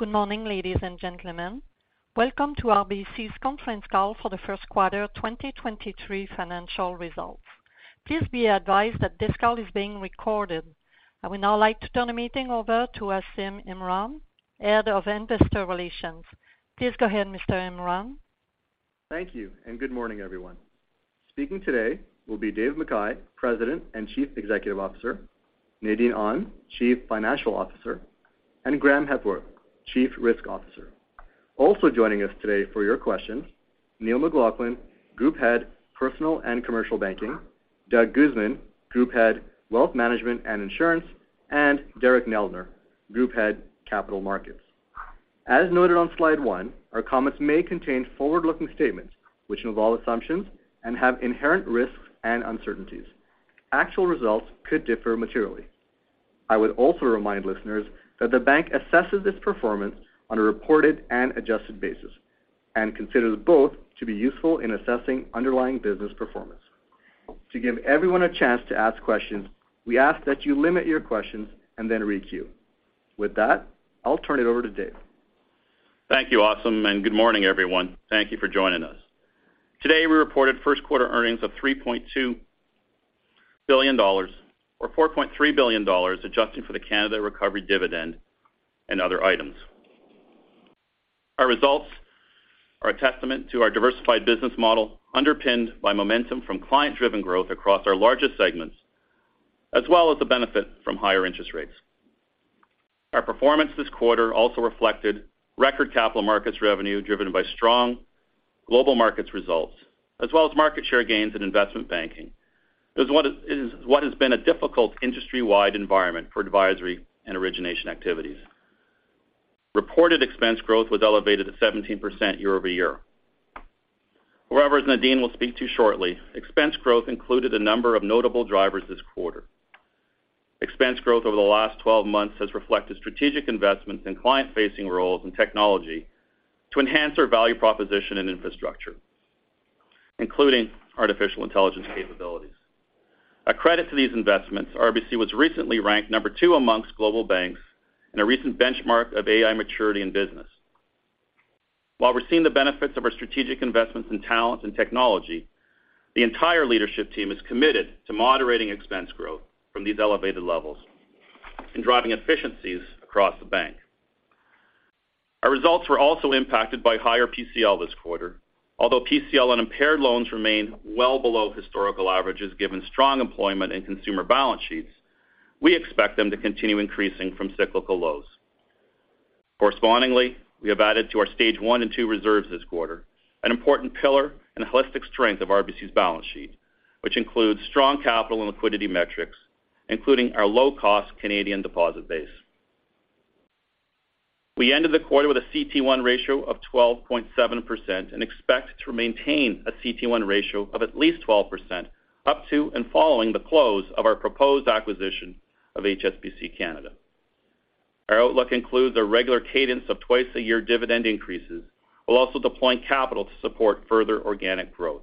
Good morning, ladies and gentlemen. Welcome to RBC's conference call for the first quarter 2023 financial results. Please be advised that this call is being recorded. I would now like to turn the meeting over to Asim Imran, Head of Investor Relations. Please go ahead, Mr. Imran. Thank you. Good morning, everyone. Speaking today will be Dave McKay, President and Chief Executive Officer, Nadine Ahn, Chief Financial Officer, and Graeme Hepworth, Chief Risk Officer. Also joining us today for your questions, Neil McLaughlin, Group Head, Personal and Commercial Banking, Doug Guzman, Group Head, Wealth Management and Insurance, and Derek Neldner, Group Head, Capital Markets. As noted on slide one, our comments may contain forward-looking statements which involve assumptions and have inherent risks and uncertainties. Actual results could differ materially. I would also remind listeners that the bank assesses its performance on a reported and adjusted basis and considers both to be useful in assessing underlying business performance. To give everyone a chance to ask questions, we ask that you limit your questions then re-queue. With that, I'll turn it over to Dave. Thank you, Asim. Good morning, everyone. Thank you for joining us. Today, we reported first quarter earnings of 3.2 billion dollars or 4.3 billion dollars, adjusting for the Canada Recovery Dividend and other items. Our results are a testament to our diversified business model, underpinned by momentum from client-driven growth across our largest segments, as well as the benefit from higher interest rates. Our performance this quarter also reflected record capital markets revenue driven by strong global markets results, as well as market share gains in investment banking. It is what has been a difficult industry-wide environment for advisory and origination activities. Reported expense growth was elevated at 17% year-over-year. However, as Nadine will speak to shortly, expense growth included a number of notable drivers this quarter. Expense growth over the last 12 months has reflected strategic investments in client-facing roles and technology to enhance our value proposition and infrastructure, including artificial intelligence capabilities. A credit to these investments, RBC was recently ranked number two amongst global banks in a recent benchmark of AI maturity in business. While we're seeing the benefits of our strategic investments in talent and technology, the entire leadership team is committed to moderating expense growth from these elevated levels and driving efficiencies across the bank. Our results were also impacted by higher PCL this quarter. Although PCL and impaired loans remain well below historical averages given strong employment and consumer balance sheets, we expect them to continue increasing from cyclical lows. Correspondingly, we have added to our Stage 1 and 2 reserves this quarter, an important pillar and holistic strength of RBC's balance sheet, which includes strong capital and liquidity metrics, including our low-cost Canadian deposit base. We ended the quarter with a CET1 ratio of 12.7% and expect to maintain a CET1 ratio of at least 12% up to and following the close of our proposed acquisition of HSBC Canada. Our outlook includes a regular cadence of twice-a-year dividend increases. We'll also deploy capital to support further organic growth.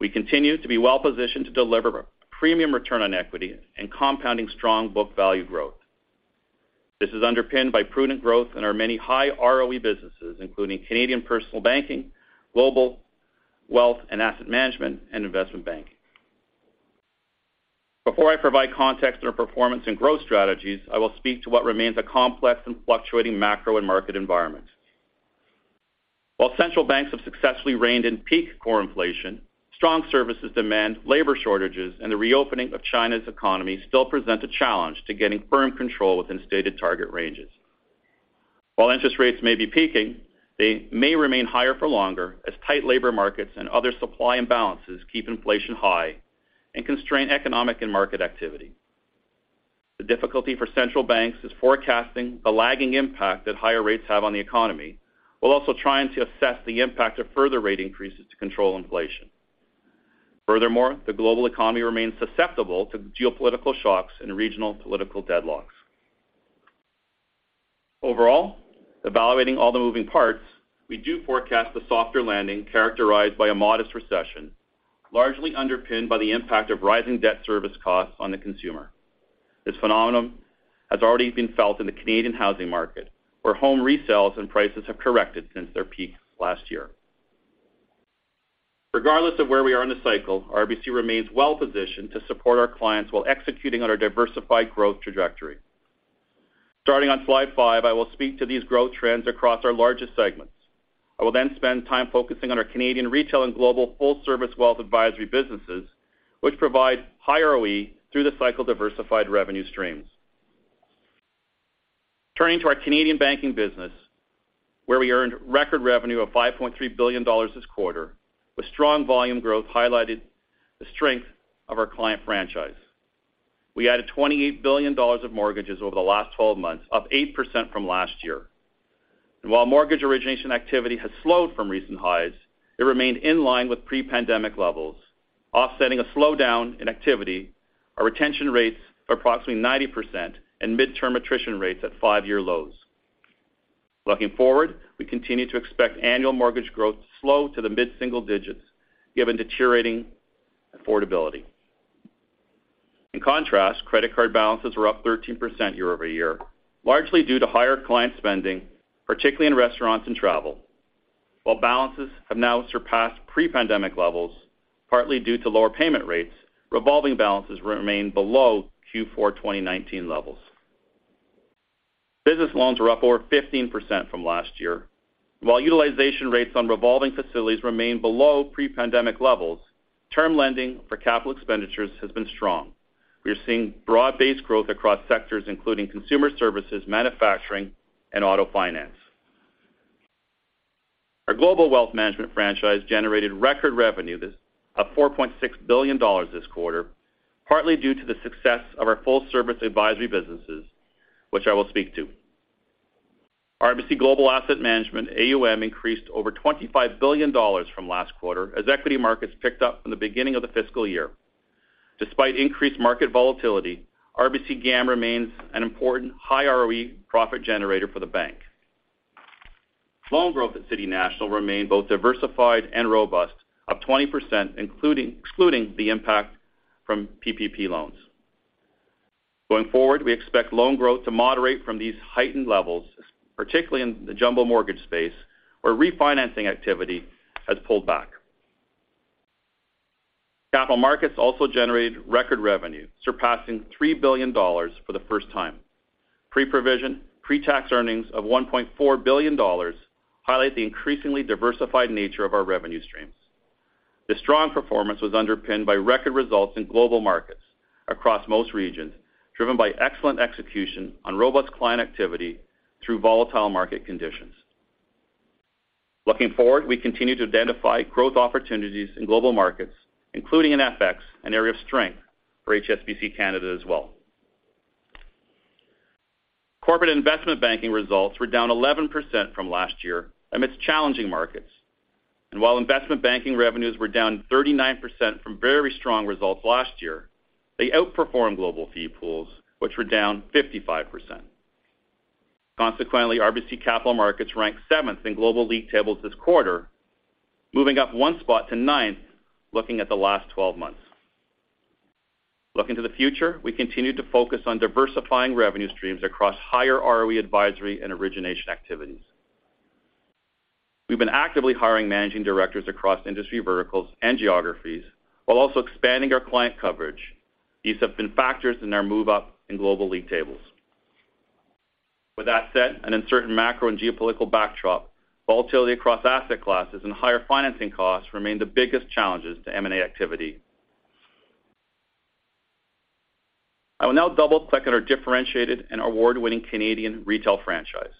We continue to be well-positioned to deliver premium return on equity and compounding strong book value growth. This is underpinned by prudent growth in our many high ROE businesses, including Canadian Personal Banking, Global Wealth and Asset Management, and Investment Banking. Before I provide context on our performance and growth strategies, I will speak to what remains a complex and fluctuating macro and market environment. Central banks have successfully reined in peak core inflation, strong services demand, labor shortages, and the reopening of China's economy still present a challenge to getting firm control within stated target ranges. Interest rates may be peaking, they may remain higher for longer as tight labor markets and other supply imbalances keep inflation high and constrain economic and market activity. The difficulty for central banks is forecasting the lagging impact that higher rates have on the economy, while also trying to assess the impact of further rate increases to control inflation. The global economy remains susceptible to geopolitical shocks and regional political deadlocks. Overall, evaluating all the moving parts, we do forecast a softer landing characterized by a modest recession, largely underpinned by the impact of rising debt service costs on the consumer. This phenomenon has already been felt in the Canadian housing market, where home resales and prices have corrected since their peak last year. Regardless of where we are in the cycle, RBC remains well-positioned to support our clients while executing on our diversified growth trajectory. Starting on slide five, I will speak to these growth trends across our largest segments. I will then spend time focusing on our Canadian retail and global full-service wealth advisory businesses, which provide high ROE through the cycle-diversified revenue streams. Turning to our Canadian banking business, where we earned record revenue of 5.3 billion dollars this quarter, with strong volume growth highlighted the strength of our client franchise. We added 28 billion dollars of mortgages over the last 12 months, up 8% from last year. While mortgage origination activity has slowed from recent highs, it remained in line with pre-pandemic levels. Offsetting a slowdown in activity, our retention rates are approximately 90% and midterm attrition rates at 5-year lows. Looking forward, we continue to expect annual mortgage growth to slow to the mid-single digits given deteriorating affordability. In contrast, credit card balances were up 13% year-over-year, largely due to higher client spending, particularly in restaurants and travel. While balances have now surpassed pre-pandemic levels, partly due to lower payment rates, revolving balances remain below Q4 2019 levels. Business loans were up over 15% from last year. While utilization rates on revolving facilities remain below pre-pandemic levels, term lending for capital expenditures has been strong. We are seeing broad-based growth across sectors, including consumer services, manufacturing, and auto finance. Our global wealth management franchise generated record revenue that's up 4.6 billion dollars this quarter, partly due to the success of our full-service advisory businesses, which I will speak to. RBC Global Asset Management AUM increased over 25 billion dollars from last quarter as equity markets picked up from the beginning of the fiscal year. Despite increased market volatility, RBC GAM remains an important high ROE profit generator for the bank. Loan growth at City National remained both diversified and robust, up 20%, excluding the impact from PPP loans. Going forward, we expect loan growth to moderate from these heightened levels, particularly in the jumbo mortgage space, where refinancing activity has pulled back. Capital markets also generated record revenue, surpassing 3 billion dollars for the first time. Pre-provision, pre-tax earnings of 1.4 billion dollars highlight the increasingly diversified nature of our revenue streams. This strong performance was underpinned by record results in global markets across most regions, driven by excellent execution on robust client activity through volatile market conditions. Looking forward, we continue to identify growth opportunities in global markets, including in FX, an area of strength for HSBC Canada as well. Corporate investment banking results were down 11% from last year amidst challenging markets. While investment banking revenues were down 39% from very strong results last year, they outperformed global fee pools, which were down 55%. Consequently, RBC Capital Markets ranked seventh in global league tables this quarter, moving up one spot to ninth, looking at the last 12 months. Looking to the future, we continue to focus on diversifying revenue streams across higher ROE advisory and origination activities. We've been actively hiring managing directors across industry verticals and geographies while also expanding our client coverage. These have been factors in our move up in global league tables. With that said, an uncertain macro and geopolitical backdrop, volatility across asset classes and higher financing costs remain the biggest challenges to M&A activity. I will now double-click on our differentiated and award-winning Canadian retail franchise,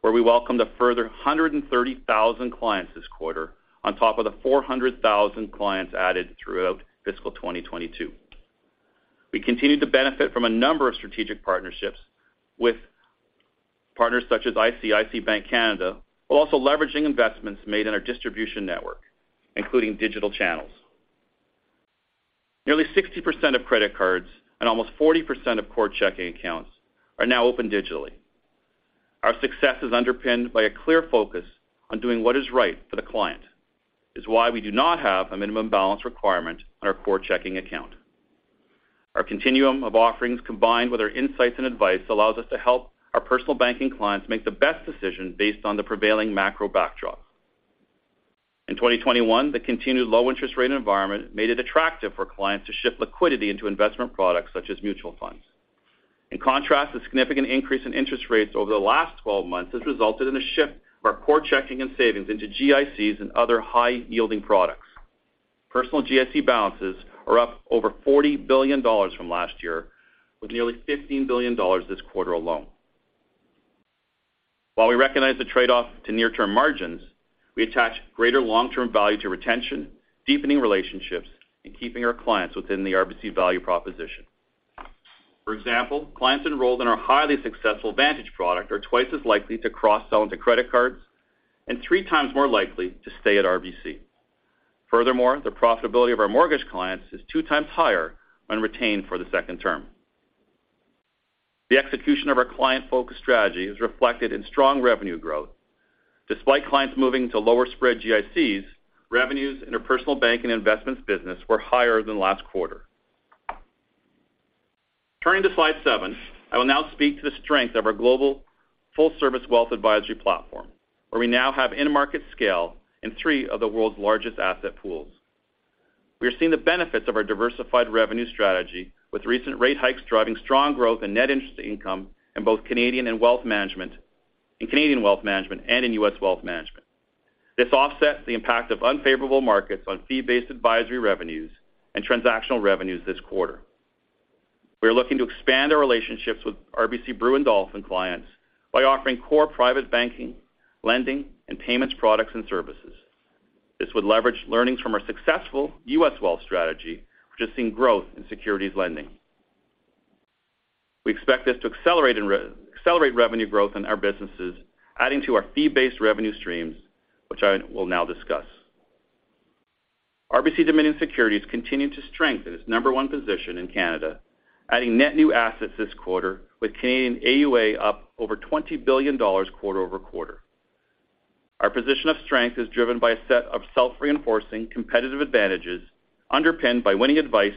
where we welcome the further 130,000 clients this quarter on top of the 400,000 clients added throughout fiscal 2022. We continue to benefit from a number of strategic partnerships with partners such as ICICI Bank Canada, while also leveraging investments made in our distribution network, including digital channels. Nearly 60% of credit cards and almost 40% of core checking accounts are now open digitally. Our success is underpinned by a clear focus on doing what is right for the client. It is why we do not have a minimum balance requirement on our core checking account. Our continuum of offerings, combined with our insights and advice, allows us to help our personal banking clients make the best decision based on the prevailing macro backdrop. In 2021, the continued low interest rate environment made it attractive for clients to shift liquidity into investment products such as mutual funds. In contrast, the significant increase in interest rates over the last 12 months has resulted in a shift of our core checking and savings into GICs and other high-yielding products. Personal GIC balances are up over $40 billion from last year, with nearly $15 billion this quarter alone. While we recognize the trade-off to near-term margins, we attach greater long-term value to retention, deepening relationships, and keeping our clients within the RBC value proposition. For example, clients enrolled in our highly successful Vantage product are twice as likely to cross-sell into credit cards and 3x more likely to stay at RBC. Furthermore, the profitability of our mortgage clients is 2x higher when retained for the second term. The execution of our client-focused strategy is reflected in strong revenue growth. Despite clients moving to lower spread GICs, revenues in our personal bank and investments business were higher than last quarter. Turning to slide seven, I will now speak to the strength of our global full-service wealth advisory platform, where we now have end-market scale in three of the world's largest asset pools. We are seeing the benefits of our diversified revenue strategy, with recent rate hikes driving strong growth in net interest income in Canadian wealth management and in U.S. wealth management. This offsets the impact of unfavorable markets on fee-based advisory revenues and transactional revenues this quarter. We are looking to expand our relationships with RBC Brewin Dolphin clients by offering core private banking, lending, and payments products and services. This would leverage learnings from our successful U.S. wealth strategy, which has seen growth in securities lending. We expect this to accelerate revenue growth in our businesses, adding to our fee-based revenue streams, which I will now discuss. RBC Dominion Securities continued to strengthen its number 1 position in Canada, adding net new assets this quarter, with Canadian AUA up over CAD $20 billion quarter-over-quarter. Our position of strength is driven by a set of self-reinforcing competitive advantages underpinned by winning advice,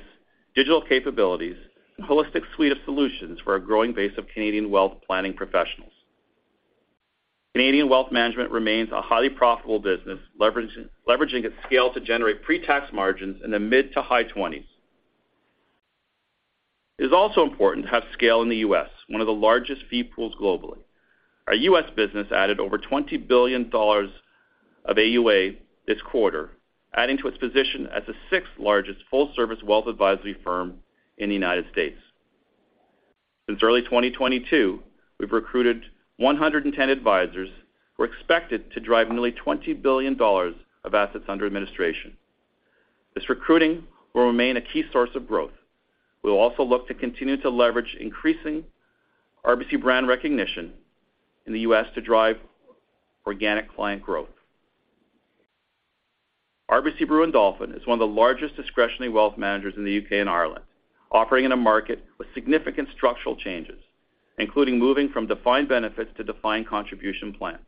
digital capabilities, and holistic suite of solutions for a growing base of Canadian wealth planning professionals. Canadian wealth management remains a highly profitable business, leveraging its scale to generate pre-tax margins in the mid-to-high 20s%. It is also important to have scale in the U.S., one of the largest fee pools globally. Our U.S. business added over $20 billion of AUA this quarter, adding to its position as the sixth-largest full-service wealth advisory firm in the United States. Since early 2022, we've recruited 110 advisors who are expected to drive nearly $20 billion of assets under administration. This recruiting will remain a key source of growth. We'll also look to continue to leverage increasing RBC brand recognition in the U.S. to drive organic client growth. RBC Brewin Dolphin is one of the largest discretionary wealth managers in the U.K. and Ireland, operating in a market with significant structural changes, including moving from defined benefits to defined contribution plans.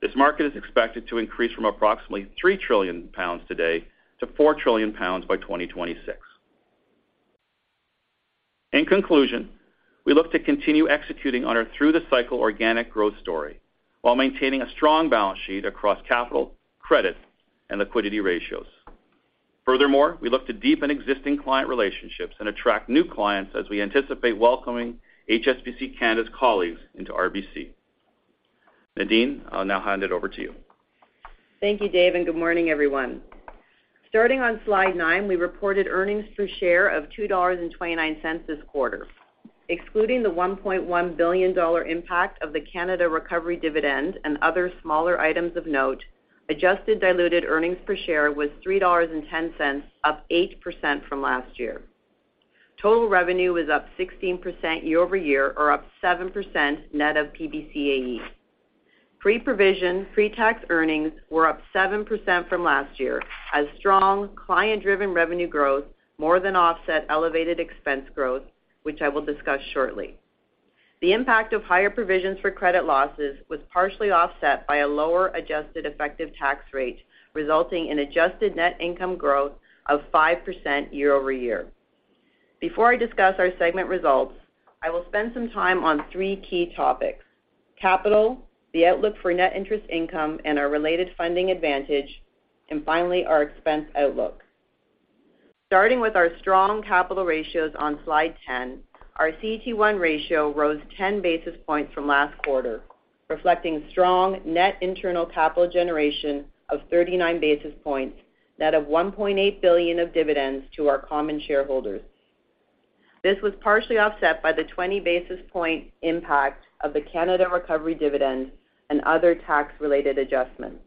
This market is expected to increase from approximately 3 trillion pounds today to 4 trillion pounds by 2026. In conclusion, we look to continue executing on our through-the-cycle organic growth story while maintaining a strong balance sheet across capital, credit, and liquidity ratios. Furthermore, we look to deepen existing client relationships and attract new clients as we anticipate welcoming HSBC Canada's colleagues into RBC. Nadine, I'll now hand it over to you. Thank you, Dave, and good morning, everyone. Starting on slide nine, we reported earnings per share of 2.29 dollars this quarter. Excluding the 1.1 billion dollar impact of the Canada Recovery Dividend and other smaller items of note, adjusted diluted earnings per share was 3.10 dollars, up 8% from last year. Total revenue was up 16% year-over-year or up 7% net of PBCAE. Pre-provision, pre-tax earnings were up 7% from last year as strong client-driven revenue growth more than offset elevated expense growth, which I will discuss shortly. The impact of higher provisions for credit losses was partially offset by a lower adjusted effective tax rate, resulting in adjusted net income growth of 5% year-over-year. Before I discuss our segment results, I will spend some time on three key topics: capital, the outlook for net interest income and our related funding advantage, finally, our expense outlook. Starting with our strong capital ratios on slide 10, our CET1 ratio rose 10 basis points from last quarter, reflecting strong net internal capital generation of 39 basis points, net of 1.8 billion of dividends to our common shareholders. This was partially offset by the 20 basis point impact of the Canada Recovery Dividend and other tax-related adjustments.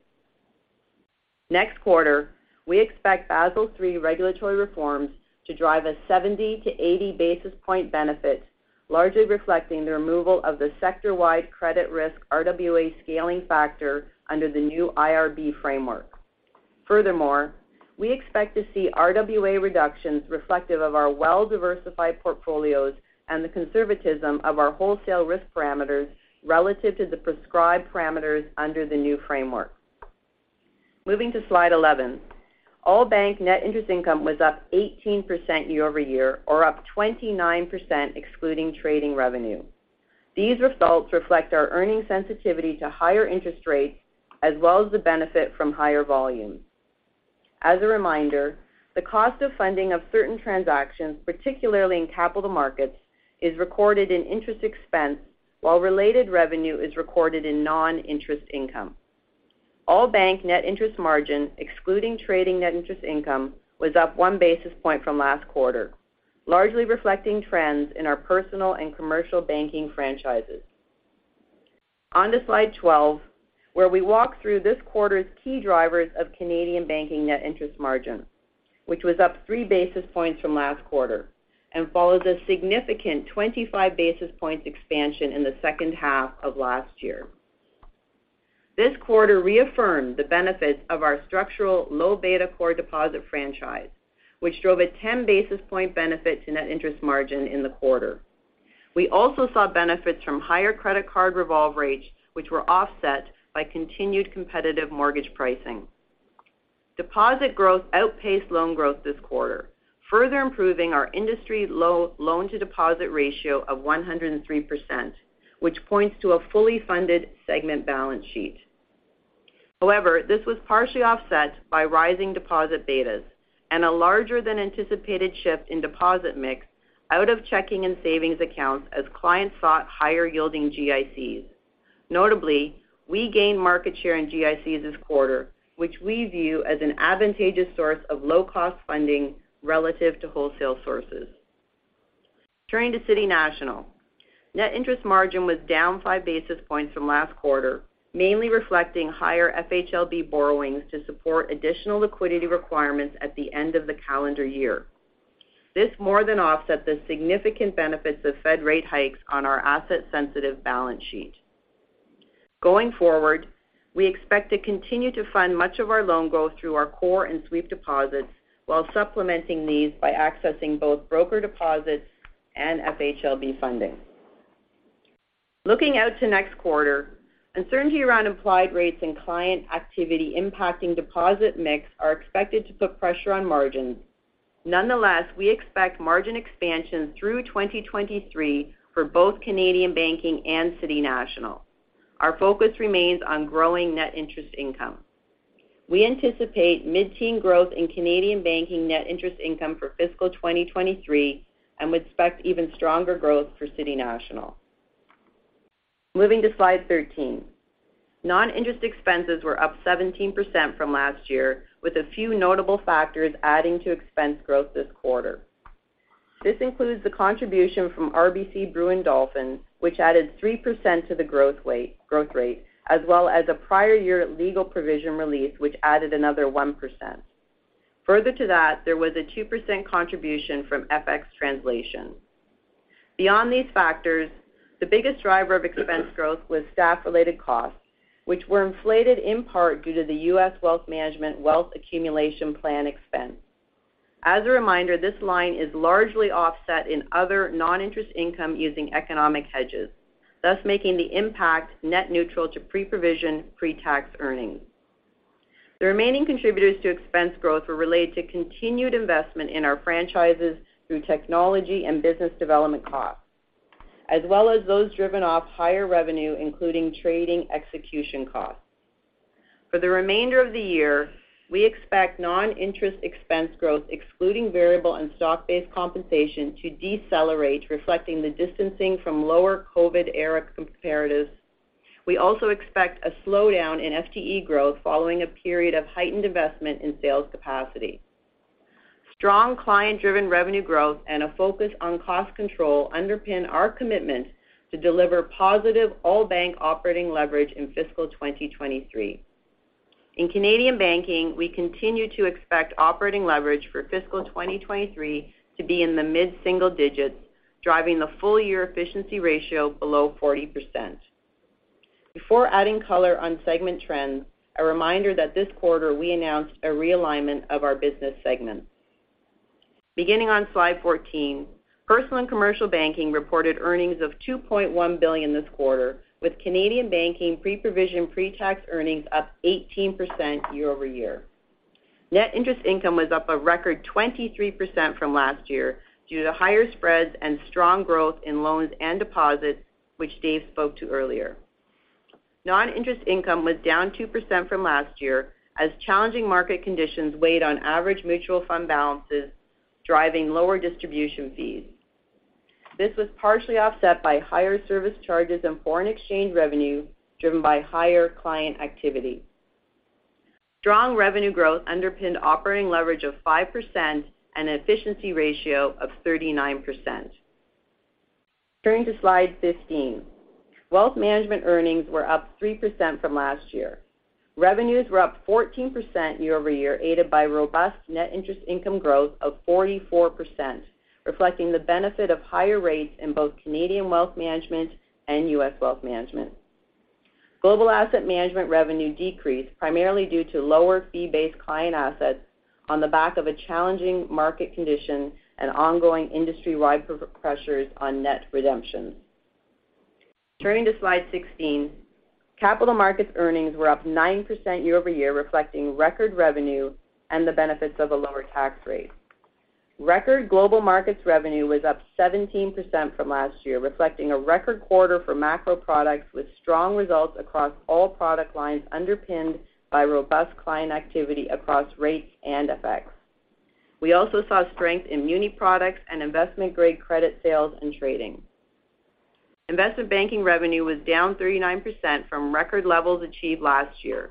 Next quarter, we expect Basel III regulatory reforms to drive a 70-80 basis point benefit, largely reflecting the removal of the sector-wide credit risk RWA scaling factor under the new IRB framework. Furthermore, we expect to see RWA reductions reflective of our well-diversified portfolios and the conservatism of our wholesale risk parameters relative to the prescribed parameters under the new framework. Moving to slide 11, all bank net interest income was up 18% year-over-year or up 29% excluding trading revenue. These results reflect our earnings sensitivity to higher interest rates as well as the benefit from higher volumes. As a reminder, the cost of funding of certain transactions, particularly in Capital Markets, is recorded in interest expense while related revenue is recorded in non-interest income. All bank net interest margin, excluding trading net interest income, was up 1 basis point from last quarter, largely reflecting trends in our Personal & Commercial Banking franchises. On to Slide 12, where we walk through this quarter's key drivers of Canadian Banking net interest margin, which was up 3 basis points from last quarter and follows a significant 25 basis points expansion in the second half of last year. This quarter reaffirmed the benefits of our structural low beta core deposit franchise, which drove a 10 basis point benefit to net interest margin in the quarter. We also saw benefits from higher credit card revolve rates, which were offset by continued competitive mortgage pricing. Deposit growth outpaced loan growth this quarter, further improving our industry low loan-to-deposit ratio of 103%, which points to a fully funded segment balance sheet. However, this was partially offset by rising deposit betas and a larger than anticipated shift in deposit mix out of checking and savings accounts as clients sought higher yielding GICs. Notably, we gained market share in GICs this quarter, which we view as an advantageous source of low-cost funding relative to wholesale sources. Turning to City National, net interest margin was down 5 basis points from last quarter, mainly reflecting higher FHLB borrowings to support additional liquidity requirements at the end of the calendar year. This more than offset the significant benefits of Fed rate hikes on our asset-sensitive balance sheet. Going forward, we expect to continue to fund much of our loan growth through our core and sweep deposits while supplementing these by accessing both broker deposits and FHLB funding. Looking out to next quarter, uncertainty around implied rates and client activity impacting deposit mix are expected to put pressure on margins. Nonetheless, we expect margin expansion through 2023 for both Canadian banking and City National. Our focus remains on growing net interest income. We anticipate mid-teen growth in Canadian banking net interest income for fiscal 2023. We would expect even stronger growth for City National. Moving to slide 13. Non-interest expenses were up 17% from last year, with a few notable factors adding to expense growth this quarter. This includes the contribution from RBC Brewin Dolphin, which added 3% to the growth rate, as well as a prior year legal provision release, which added another 1%. Further to that, there was a 2% contribution from FX translation. Beyond these factors, the biggest driver of expense growth was staff-related costs, which were inflated in part due to the U.S. wealth management wealth accumulation plan expense. As a reminder, this line is largely offset in other non-interest income using economic hedges, thus making the impact net neutral to pre-provision, pre-tax earnings. The remaining contributors to expense growth were related to continued investment in our franchises through technology and business development costs, as well as those driven off higher revenue, including trading execution costs. For the remainder of the year, we expect non-interest expense growth, excluding variable and stock-based compensation to decelerate, reflecting the distancing from lower COVID era comparatives. We also expect a slowdown in FTE growth following a period of heightened investment in sales capacity. Strong client-driven revenue growth and a focus on cost control underpin our commitment to deliver positive all bank operating leverage in fiscal 2023. In Canadian Banking, we continue to expect operating leverage for fiscal 2023 to be in the mid-single digits, driving the full year efficiency ratio below 40%. Before adding color on segment trends, a reminder that this quarter we announced a realignment of our business segments. Beginning on slide 14, personal and commercial banking reported earnings of 2.1 billion this quarter, with Canadian banking pre-provision, pre-tax earnings up 18% year-over-year. Net interest income was up a record 23% from last year due to higher spreads and strong growth in loans and deposits, which Dave spoke to earlier. Non-interest income was down 2% from last year as challenging market conditions weighed on average mutual fund balances, driving lower distribution fees. This was partially offset by higher service charges and foreign exchange revenue driven by higher client activity. Strong revenue growth underpinned operating leverage of 5% and an efficiency ratio of 39%. Turning to slide 15. Wealth management earnings were up 3% from last year. Revenues were up 14% year-over-year, aided by robust net interest income growth of 44%, reflecting the benefit of higher rates in both Canadian wealth management and U.S. wealth management. Global asset management revenue decreased primarily due to lower fee-based client assets on the back of a challenging market condition and ongoing industry-wide profit pressures on net redemptions. Turning to slide 16. Capital markets earnings were up 9% year-over-year, reflecting record revenue and the benefits of a lower tax rate. Record global markets revenue was up 17% from last year, reflecting a record quarter for macro products with strong results across all product lines underpinned by robust client activity across rates and FX. We also saw strength in muni products and investment-grade credit sales and trading. Investment banking revenue was down 39% from record levels achieved last year.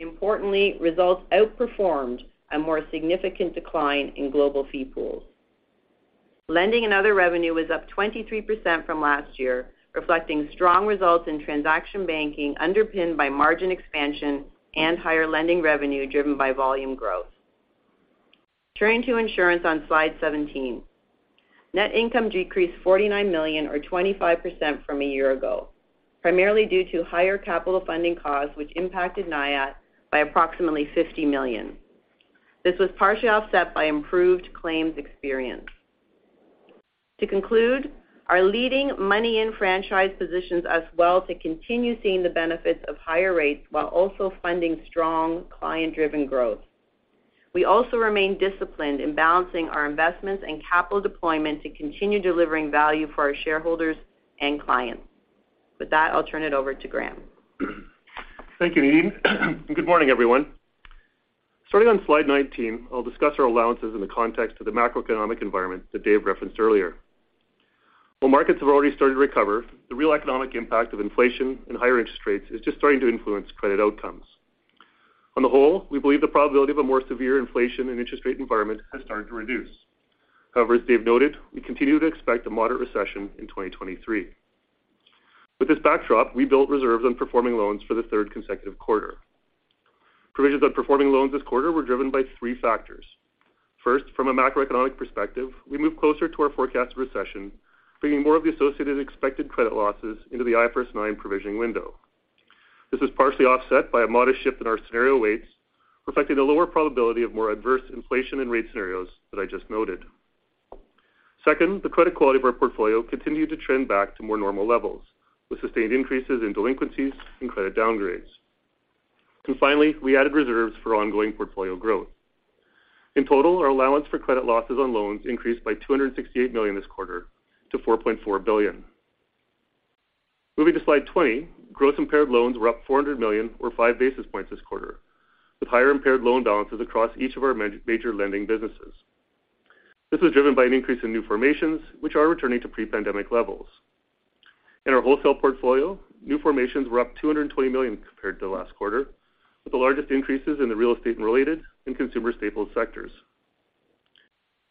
Importantly, results outperformed a more significant decline in global fee pools. Lending and other revenue was up 23% from last year, reflecting strong results in transaction banking underpinned by margin expansion and higher lending revenue driven by volume growth. Turning to insurance on slide 17. Net income decreased $49 million or 25% from a year ago, primarily due to higher capital funding costs, which impacted NIAT by approximately $50 million. This was partially offset by improved claims experience. To conclude, our leading money-in franchise positions us well to continue seeing the benefits of higher rates while also funding strong client-driven growth. We also remain disciplined in balancing our investments and capital deployment to continue delivering value for our shareholders and clients. With that, I'll turn it over to Graeme. Thank you, Nadine. Good morning, everyone. Starting on slide 19, I'll discuss our allowances in the context of the macroeconomic environment that Dave referenced earlier. While markets have already started to recover, the real economic impact of inflation and higher interest rates is just starting to influence credit outcomes. On the whole, we believe the probability of a more severe inflation and interest rate environment has started to reduce. However, as Dave noted, we continue to expect a moderate recession in 2023. With this backdrop, we built reserves on performing loans for the third consecutive quarter. Provisions on performing loans this quarter were driven by three factors. First, from a macroeconomic perspective, we moved closer to our forecast recession, bringing more of the associated expected credit losses into the IFRS 9 provisioning window. This is partially offset by a modest shift in our scenario weights, reflecting the lower probability of more adverse inflation and rate scenarios that I just noted. Second, the credit quality of our portfolio continued to trend back to more normal levels, with sustained increases in delinquencies and credit downgrades. Finally, we added reserves for ongoing portfolio growth. In total, our allowance for credit losses on loans increased by 268 million this quarter to 4.4 billion. Moving to Slide 20, gross impaired loans were up 400 million or 5 basis points this quarter, with higher impaired loan balances across each of our major lending businesses. This was driven by an increase in new formations, which are returning to pre-pandemic levels. In our wholesale portfolio, new formations were up 220 million compared to last quarter, with the largest increases in the real estate and related and consumer staples sectors.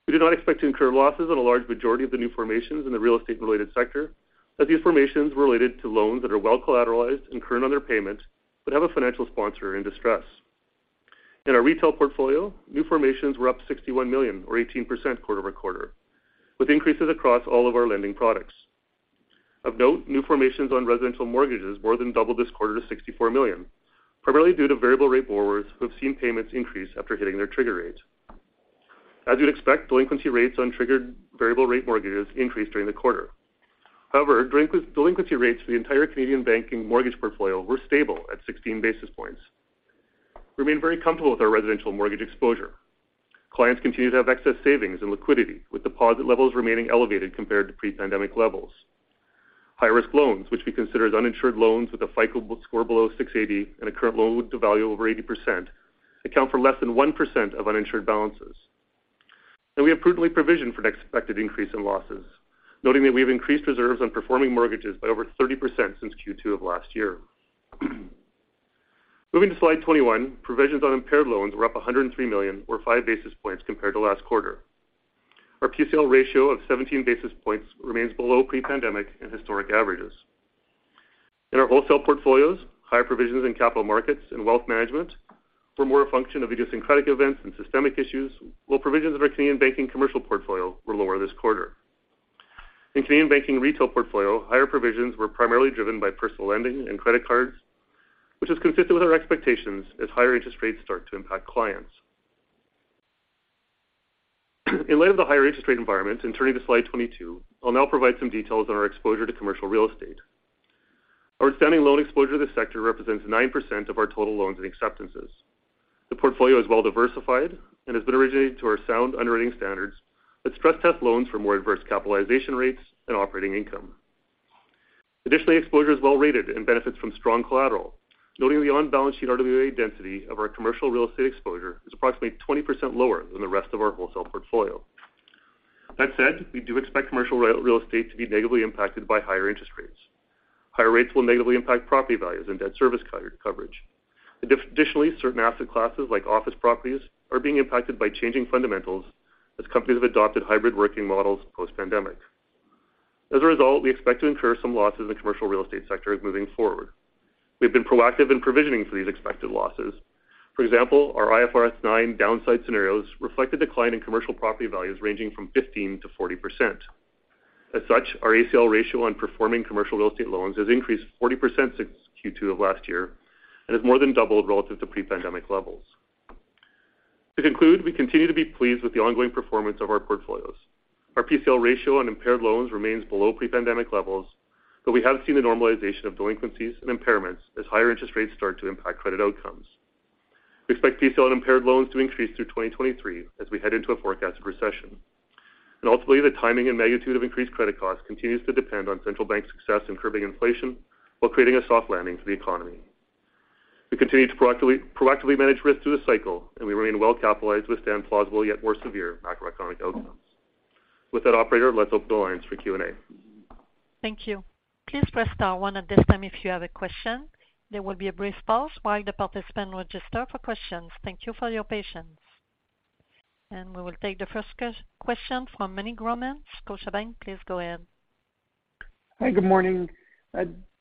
We do not expect to incur losses on a large majority of the new formations in the real estate related sector, as these formations were related to loans that are well collateralized and current on their payment, but have a financial sponsor in distress. In our retail portfolio, new formations were up 61 million or 18% quarter-over-quarter, with increases across all of our lending products. Of note, new formations on residential mortgages more than doubled this quarter to 64 million, primarily due to variable rate borrowers who have seen payments increase after hitting their trigger rates. As you'd expect, delinquency rates on triggered variable rate mortgages increased during the quarter. Delinquency rates for the entire Canadian banking mortgage portfolio were stable at 16 basis points. We remain very comfortable with our residential mortgage exposure. Clients continue to have excess savings and liquidity, with deposit levels remaining elevated compared to pre-pandemic levels. High-risk loans, which we consider as uninsured loans with a FICO score below 680 and a current loan with a value over 80%, account for less than 1% of uninsured balances. We have prudently provisioned for an expected increase in losses, noting that we have increased reserves on performing mortgages by over 30% since Q2 of last year. Moving to Slide 21, provisions on impaired loans were up 103 million or 5 basis points compared to last quarter. Our PCL ratio of 17 basis points remains below pre-pandemic and historic averages. In our wholesale portfolios, higher provisions in Capital Markets and Wealth Management were more a function of idiosyncratic events and systemic issues, while provisions of our Canadian Banking commercial portfolio were lower this quarter. In Canadian Banking retail portfolio, higher provisions were primarily driven by personal lending and credit cards, which is consistent with our expectations as higher interest rates start to impact clients. Turning to Slide 22, I'll now provide some details on our exposure to commercial real estate. Our outstanding loan exposure to the sector represents 9% of our total loans and acceptances. The portfolio is well diversified and has been originated to our sound underwriting standards that stress test loans for more adverse capitalization rates and operating income. Additionally, exposure is well rated and benefits from strong collateral, noting the on-balance sheet RWA density of our commercial real estate exposure is approximately 20% lower than the rest of our wholesale portfolio. That said, we do expect commercial real estate to be negatively impacted by higher interest rates. Higher rates will negatively impact property values and debt service coverage. Additionally, certain asset classes like office properties are being impacted by changing fundamentals as companies have adopted hybrid working models post-pandemic. As a result, we expect to incur some losses in the commercial real estate sector moving forward. We've been proactive in provisioning for these expected losses. For example, our IFRS 9 downside scenarios reflect a decline in commercial property values ranging from 15%-40%. As such, our ACL ratio on performing commercial real estate loans has increased 40% since Q2 of last year and has more than doubled relative to pre-pandemic levels. To conclude, we continue to be pleased with the ongoing performance of our portfolios. We have seen the normalization of delinquencies and impairments as higher interest rates start to impact credit outcomes. We expect PCL on impaired loans to increase through 2023 as we head into a forecasted recession. Ultimately, the timing and magnitude of increased credit costs continues to depend on central bank success in curbing inflation while creating a soft landing for the economy. We continue to proactively manage risk through the cycle. We remain well capitalized to withstand plausible yet more severe macroeconomic outcomes. With that, operator, let's open the lines for Q&A. Thank you. Please press star one at this time if you have a question. There will be a brief pause while the participant registers for questions. Thank you for your patience. We will take the first question from Meny Grauman, Scotiabank. Please go ahead. Hi, good morning.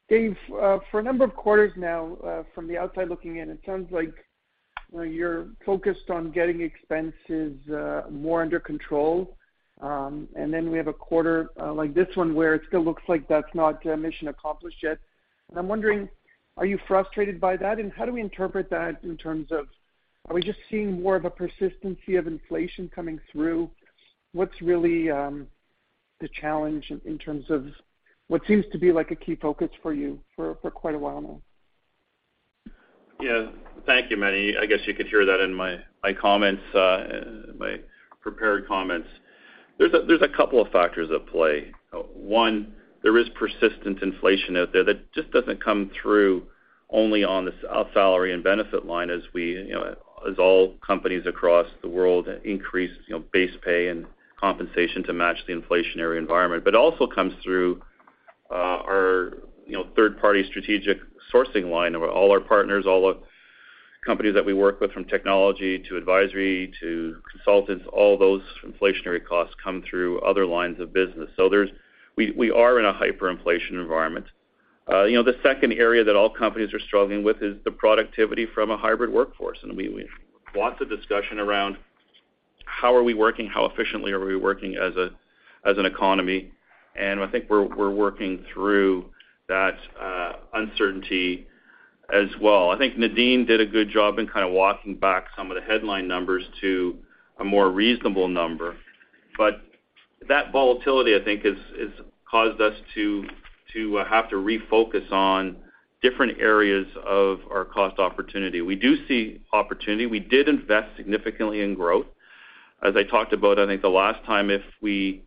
Dave, for a number of quarters now, from the outside looking in, it sounds like, well, you're focused on getting expenses, more under control. We have a quarter, like this one where it still looks like that's not, mission accomplished yet. I'm wondering, are you frustrated by that? How do we interpret that in terms of, are we just seeing more of a persistency of inflation coming through? What's really, the challenge in terms of what seems to be like a key focus for you for quite a while now? Yeah. Thank you, Meny. I guess you could hear that in my comments, my prepared comments. There's a, there's a couple of factors at play. One, there is persistent inflation out there that just doesn't come through only on the salary and benefit line as we, you know, as all companies across the world increase, you know, base pay and compensation to match the inflationary environment, but also comes through our, you know, third-party strategic sourcing line of all our partners, all the companies that we work with from technology to advisory to consultants, all those inflationary costs come through other lines of business. We are in a hyperinflation environment. You know, the second area that all companies are struggling with is the productivity from a hybrid workforce. We've lots of discussion around How are we working? How efficiently are we working as an economy? I think we're working through that uncertainty as well. I think Nadine did a good job in kind of walking back some of the headline numbers to a more reasonable number. That volatility, I think, has caused us to have to refocus on different areas of our cost opportunity. We do see opportunity. We did invest significantly in growth. As I talked about, I think the last time, if we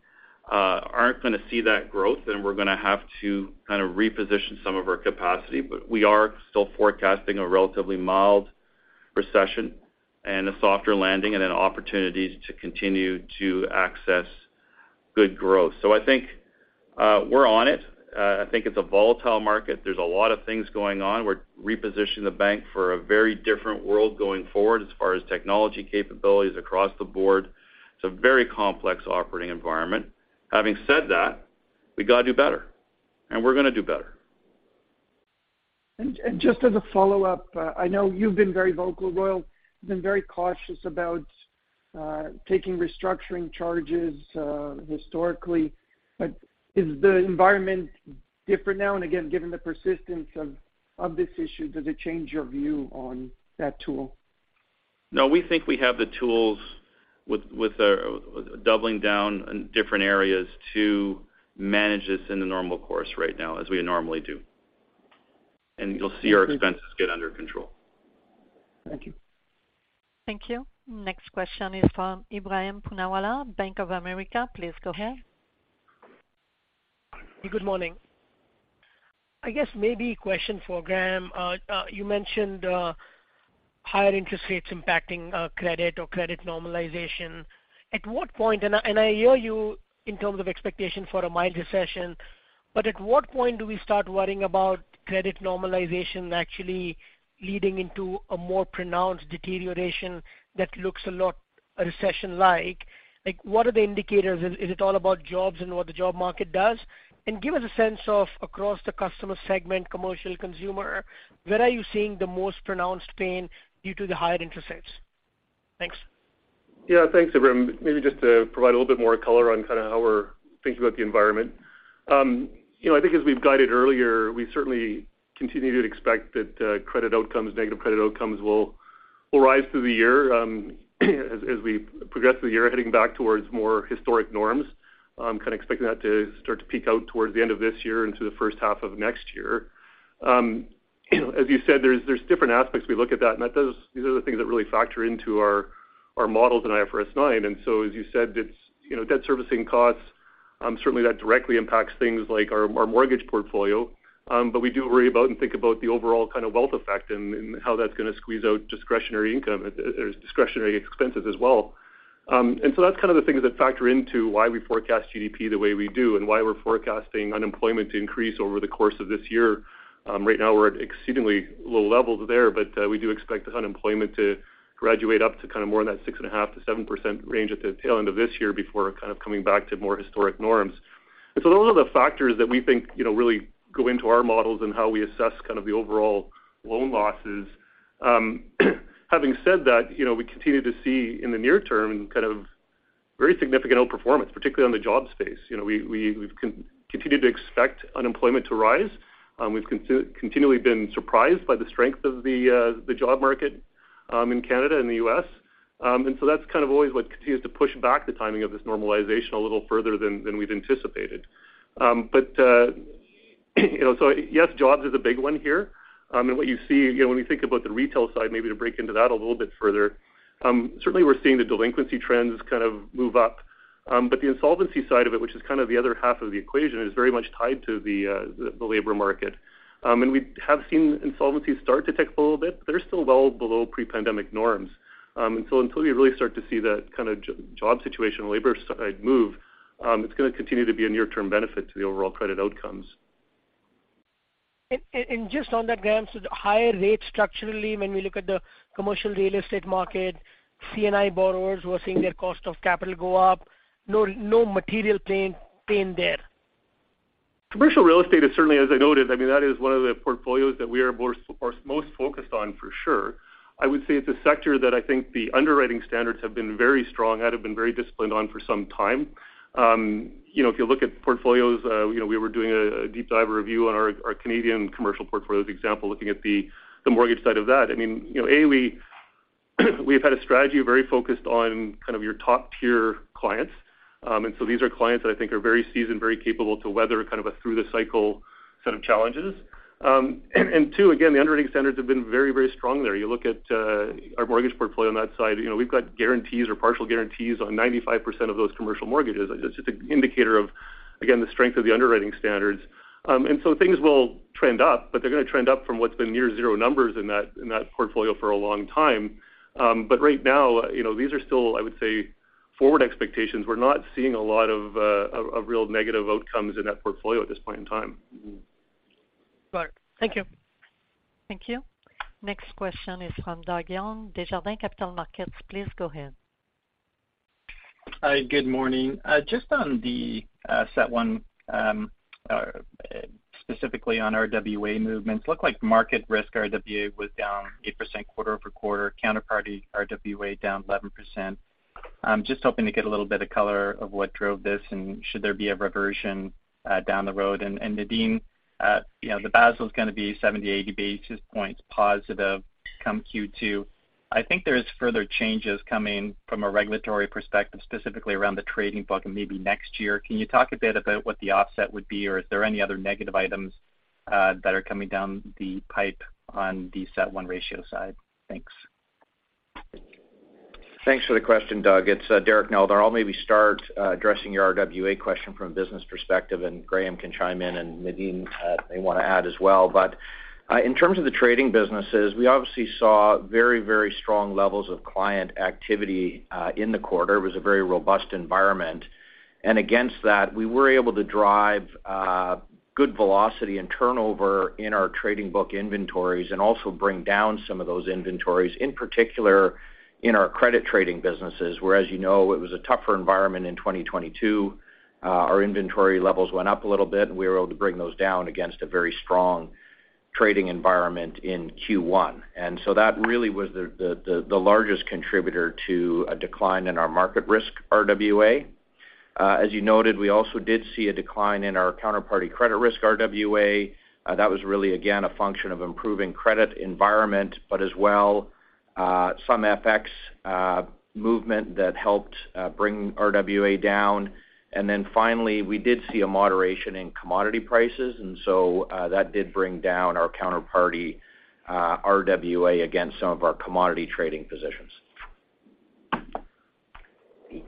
aren't gonna see that growth, then we're gonna have to kind of reposition some of our capacity. We are still forecasting a relatively mild recession and a softer landing and an opportunity to continue to access good growth. I think we're on it. I think it's a volatile market. There's a lot of things going on. We're repositioning the bank for a very different world going forward as far as technology capabilities across the board. It's a very complex operating environment. Having said that, we gotta do better, and we're gonna do better. Just as a follow-up, I know you've been very vocal, Royal. You've been very cautious about taking restructuring charges historically. Is the environment different now and again, given the persistence of this issue, does it change your view on that tool? No, we think we have the tools with the doubling down in different areas to manage this in the normal course right now as we normally do. Thank you. You'll see our expenses get under control. Thank you. Thank you. Next question is from Ebrahim Poonawala, Bank of America. Please go ahead. Good morning. I guess maybe a question for Graeme. you mentioned higher interest rates impacting credit or credit normalization. At what point. I hear you in terms of expectation for a mild recession, but at what point do we start worrying about credit normalization actually leading into a more pronounced deterioration that looks a lot recession-like? Like, what are the indicators? Is it all about jobs and what the job market does? Give us a sense of across the customer segment, commercial consumer, where are you seeing the most pronounced pain due to the higher interest rates? Thanks. Yeah. Thanks, Ebrahim. Maybe just to provide a little bit more color on kind of how we're thinking about the environment. you know, I think as we've guided earlier, we certainly continue to expect that credit outcomes, negative credit outcomes will rise through the year, as we progress through the year, heading back towards more historic norms. I'm kind of expecting that to start to peak out towards the end of this year into the first half of next year. you know, as you said, there's different aspects we look at that, and these are the things that really factor into our models in IFRS 9. As you said, it's, you know, debt servicing costs, certainly that directly impacts things like our mortgage portfolio. We do worry about and think about the overall kind of wealth effect and how that's gonna squeeze out discretionary income, or discretionary expenses as well. That's kind of the things that factor into why we forecast GDP the way we do and why we're forecasting unemployment to increase over the course of this year. Right now we're at exceedingly low levels there, we do expect unemployment to graduate up to kind of more in that 6.5%-7% range at the tail end of this year before kind of coming back to more historic norms. Those are the factors that we think, you know, really go into our models and how we assess kind of the overall loan losses. Having said that, you know, we continue to see in the near term kind of very significant outperformance, particularly on the job space. You know, we continue to expect unemployment to rise. We've continually been surprised by the strength of the job market in Canada and the U.S. That's kind of always what continues to push back the timing of this normalization a little further than we'd anticipated. You know, so yes, jobs is a big one here. What you see, you know, when we think about the retail side, maybe to break into that a little bit further, certainly we're seeing the delinquency trends kind of move up. The insolvency side of it, which is kind of the other half of the equation, is very much tied to the labor market. We have seen insolvency start to tick a little bit, but they're still well below pre-pandemic norms. Until we really start to see that kind of job situation, labor side move, it's gonna continue to be a near-term benefit to the overall credit outcomes. Just on that, Graeme, the higher rates structurally, when we look at the commercial real estate market, C&I borrowers who are seeing their cost of capital go up, no material pain there? Commercial real estate is certainly, as I noted, I mean, that is one of the portfolios that we are most focused on for sure. I would say it's a sector that I think the underwriting standards have been very strong at, have been very disciplined on for some time. You know, if you look at portfolios, you know, we were doing a deep dive review on our Canadian commercial portfolios example, looking at the mortgage side of that. I mean, you know, A, we have had a strategy very focused on kind of your top-tier clients. These are clients that I think are very seasoned, very capable to weather kind of a through the cycle set of challenges. Two, again, the underwriting standards have been very strong there. You look at, our mortgage portfolio on that side, you know, we've got guarantees or partial guarantees on 95% of those commercial mortgages. It's just an indicator of, again, the strength of the underwriting standards. Things will trend up, but they're gonna trend up from what's been near 0 numbers in that, in that portfolio for a long time. Right now, you know, these are still, I would say, forward expectations. We're not seeing a lot of real negative outcomes in that portfolio at this point in time. Mm-hmm. All right. Thank you. Thank you. Next question is from Doug Young, Desjardins Capital Markets. Please go ahead. Hi, good morning. Just on the CET1, specifically on RWA movements. Look like market risk RWA was down 8% quarter-over-quarter, counterparty RWA down 11%. I'm just hoping to get a little bit of color of what drove this, and should there be a reversion down the road. Nadine, you know, the Basel is gonna be 70-80 basis points positive come Q2. I think there is further changes coming from a regulatory perspective, specifically around the trading book and maybe next year. Can you talk a bit about what the offset would be, or is there any other negative items that are coming down the pipe on the CET1 ratio side? Thanks. Thanks for the question, Doug. It's Derek Neldner. I'll maybe start addressing your RWA question from a business perspective, and Graeme can chime in, and Nadine may wanna add as well. But, in terms of the trading businesses, we obviously saw very, very strong levels of client activity in the quarter. It was a very robust environment. Against that, we were able to drive good velocity and turnover in our trading book inventories and also bring down some of those inventories, in particular in our credit trading businesses, where as you know, it was a tougher environment in 2022. Our inventory levels went up a little bit, and we were able to bring those down against a very strong trading environment in Q1. That really was the largest contributor to a decline in our market risk RWA. As you noted, we also did see a decline in our counterparty credit risk RWA. That was really, again, a function of improving credit environment, but as well, some FX movement that helped bring RWA down. Finally, we did see a moderation in commodity prices. That did bring down our counterparty RWA against some of our commodity trading positions.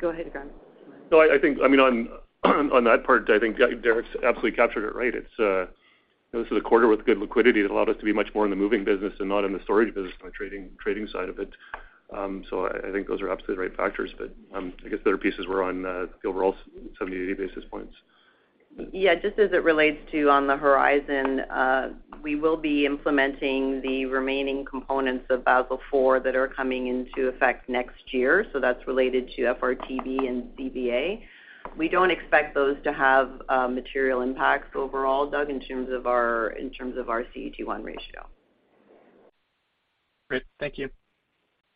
Go ahead, Graeme. I think, I mean, on that part, I think Derek's absolutely captured it right. It's this is a quarter with good liquidity. It allowed us to be much more in the moving business and not in the storage business on the trading side of it. I think those are absolutely the right factors, I guess the other pieces were on the overall 70-80 basis points. Yeah. Just as it relates to on the horizon, we will be implementing the remaining components of Basel IV that are coming into effect next year. That's related to FRTB and BA-CVA. We don't expect those to have material impacts overall, Doug, in terms of our CET1 ratio. Great. Thank you.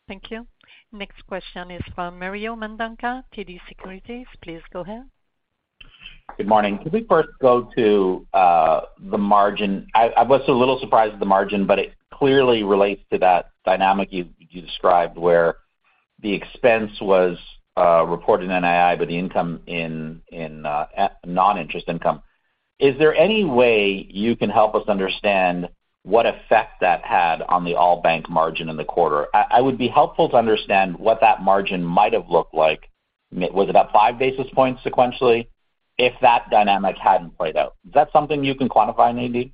Thank you. Next question is from Mario Mendonca, TD Securities. Please go ahead. Good morning. Could we first go to the margin? I was a little surprised at the margin. It clearly relates to that dynamic you described where the expense was reported NII, but the income in non-interest income. Is there any way you can help us understand what effect that had on the all bank margin in the quarter? I would be helpful to understand what that margin might have looked like. Was it about 5 basis points sequentially if that dynamic hadn't played out? Is that something you can quantify, Nadine?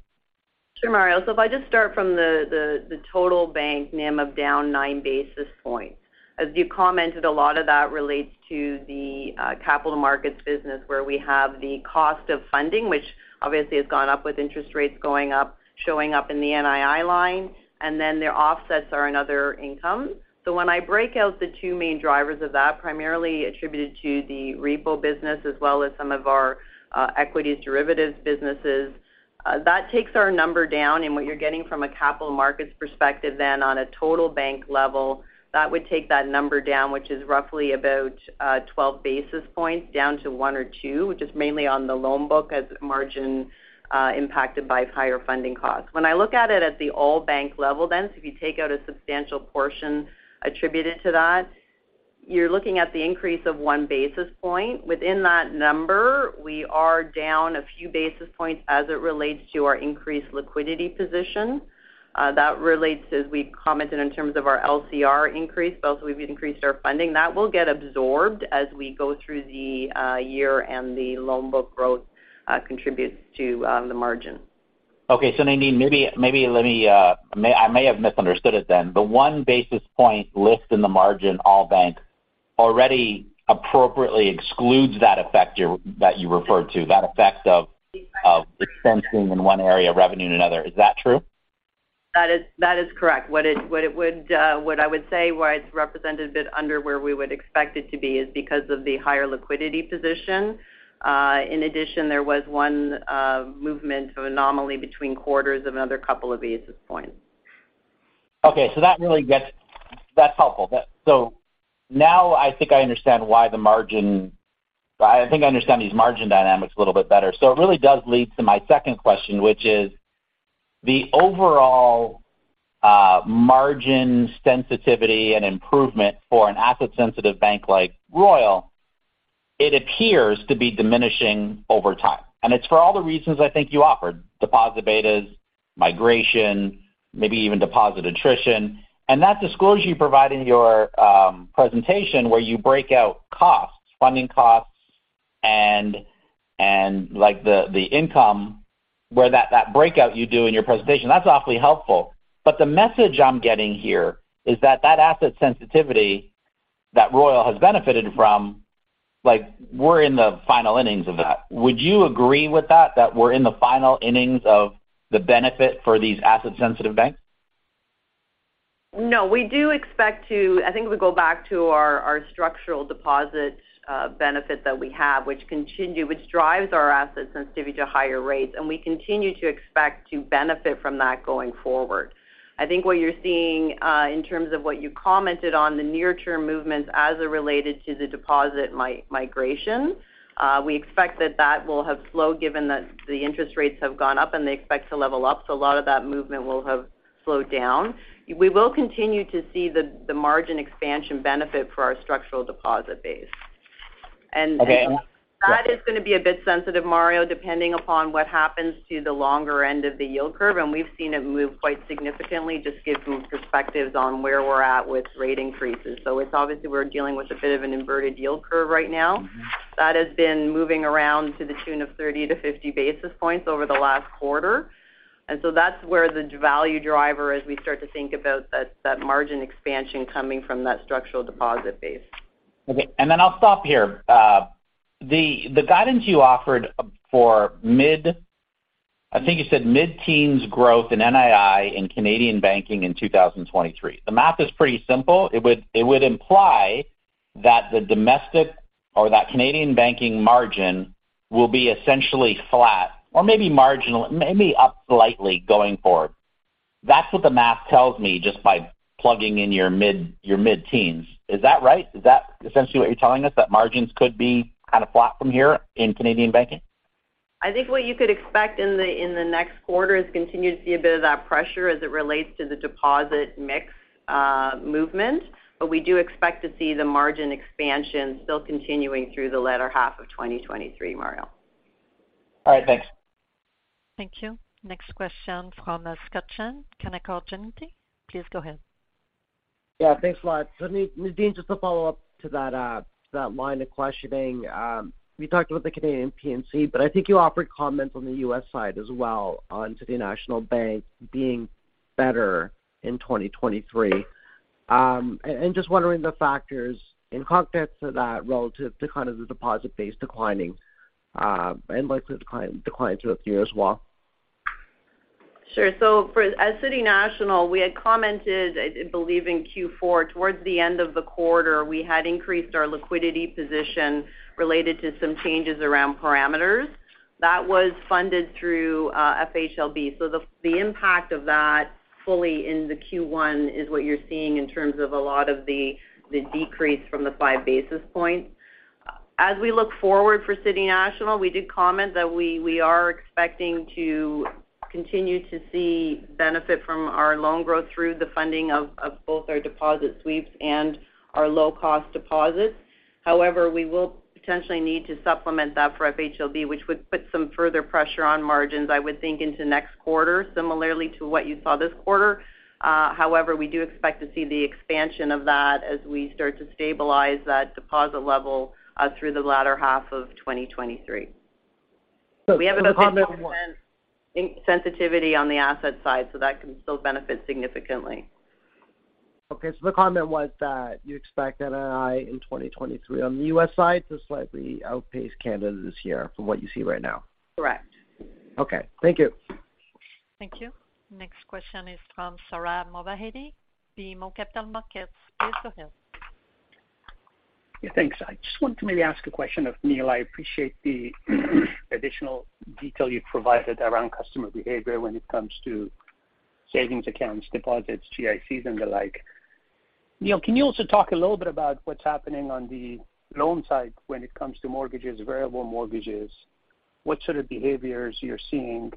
Sure, Mario. If I just start from the total bank NIM of down 9 basis points. As you commented, a lot of that relates to the Capital Markets business, where we have the cost of funding, which obviously has gone up with interest rates going up, showing up in the NII line, and then their offsets are in other income. When I break out the two main drivers of that, primarily attributed to the repo business as well as some of our equities derivatives businesses, that takes our number down. What you're getting from a Capital Markets perspective then on a total bank level, that would take that number down, which is roughly about 12 basis points down to 102, which is mainly on the loan book as margin, impacted by higher funding costs. When I look at it at the all bank level, if you take out a substantial portion attributed to that, you're looking at the increase of one basis point. Within that number, we are down a few basis points as it relates to our increased liquidity position. That relates as we commented in terms of our LCR increase, also we've increased our funding. That will get absorbed as we go through the year and the loan book growth contributes to the margin. Nadine, maybe let me, I may have misunderstood it then. The 1 basis point lift in the margin all bank already appropriately excludes that effect you're, that you referred to, that effect of expense being in one area, revenue in another. Is that true? That is correct. What it would, what I would say, why it's represented a bit under where we would expect it to be is because of the higher liquidity position. In addition, there was one movement of anomaly between quarters of another couple of basis points. Okay. That's helpful. Now I think I understand these margin dynamics a little bit better. It really does lead to my second question, which is the overall margin sensitivity and improvement for an asset-sensitive bank like Royal, it appears to be diminishing over time. It's for all the reasons I think you offered: deposit betas, migration, maybe even deposit attrition. That disclosure you provide in your presentation where you break out costs, funding costs and like the income, where that breakout you do in your presentation, that's awfully helpful. The message I'm getting here is that asset sensitivity that Royal has benefited from, like we're in the final innings of that. Would you agree with that we're in the final innings of the benefit for these asset-sensitive banks? No, we do expect I think if we go back to our structural deposit benefit that we have, which drives our asset sensitivity to higher rates, and we continue to expect to benefit from that going forward. I think what you're seeing in terms of what you commented on the near term movements as it related to the deposit migration, we expect that that will have slowed given that the interest rates have gone up and they expect to level up. A lot of that movement will have slowed down. We will continue to see the margin expansion benefit for our structural deposit base. That is gonna be a bit sensitive, Mario, depending upon what happens to the longer end of the yield curve, and we've seen it move quite significantly just to give some perspectives on where we're at with rate increases. It's obviously we're dealing with a bit of an inverted yield curve right now. That has been moving around to the tune of 30 to 50 basis points over the last quarter. That's where the value driver as we start to think about that margin expansion coming from that structural deposit base. Okay. I'll stop here. The guidance you offered for I think you said mid-teens growth in NII in Canadian banking in 2023. The math is pretty simple. It would imply that the domestic or that Canadian banking margin will be essentially flat or maybe marginal, maybe up slightly going forward. That's what the math tells me just by plugging in your mid-teens. Is that right? Is that essentially what you're telling us, that margins could be kind of flat from here in Canadian banking? I think what you could expect in the next quarter is continue to see a bit of that pressure as it relates to the deposit mix, movement. We do expect to see the margin expansion still continuing through the latter half of 2023, Mario. All right. Thanks. Thank you. Next question from Scott Chan, Canaccord Genuity. Please go ahead. Yeah, thanks a lot. Nadine, just to follow up to that line of questioning. You talked about the Canadian P&C, but I think you offered comments on the U.S. side as well on City National Bank being better in 2023. Just wondering the factors in context to that relative to kind of the deposit base declining, and likely to decline through this year as well. As City National, we had commented, I believe, in Q4, towards the end of the quarter, we had increased our liquidity position related to some changes around parameters. That was funded through FHLB. The impact of that fully in the Q1 is what you're seeing in terms of a lot of the decrease from the 5 basis points. As we look forward for City National, we did comment that we are expecting to continue to see benefit from our loan growth through the funding of both our deposit sweeps and our low-cost deposits. We will potentially need to supplement that for FHLB, which would put some further pressure on margins, I would think, into next quarter, similarly to what you saw this quarter. However, we do expect to see the expansion of that as we start to stabilize that deposit level, through the latter half of 2023. We have about 10% sensitivity on the asset side, that can still benefit significantly. Okay. The comment was that you expect NII in 2023 on the U.S. side to slightly outpace Canada this year from what you see right now? Correct. Okay. Thank you. Thank you. Next question is from Sohrab Movahedi, BMO Capital Markets. Please go ahead. Yeah, thanks. I just want to maybe ask a question of Neil. I appreciate the additional detail you've provided around customer behavior when it comes to savings accounts, deposits, GICs, and the like. Neil, can you also talk a little bit about what's happening on the loan side when it comes to mortgages, variable mortgages, what sort of behaviors you're seeing?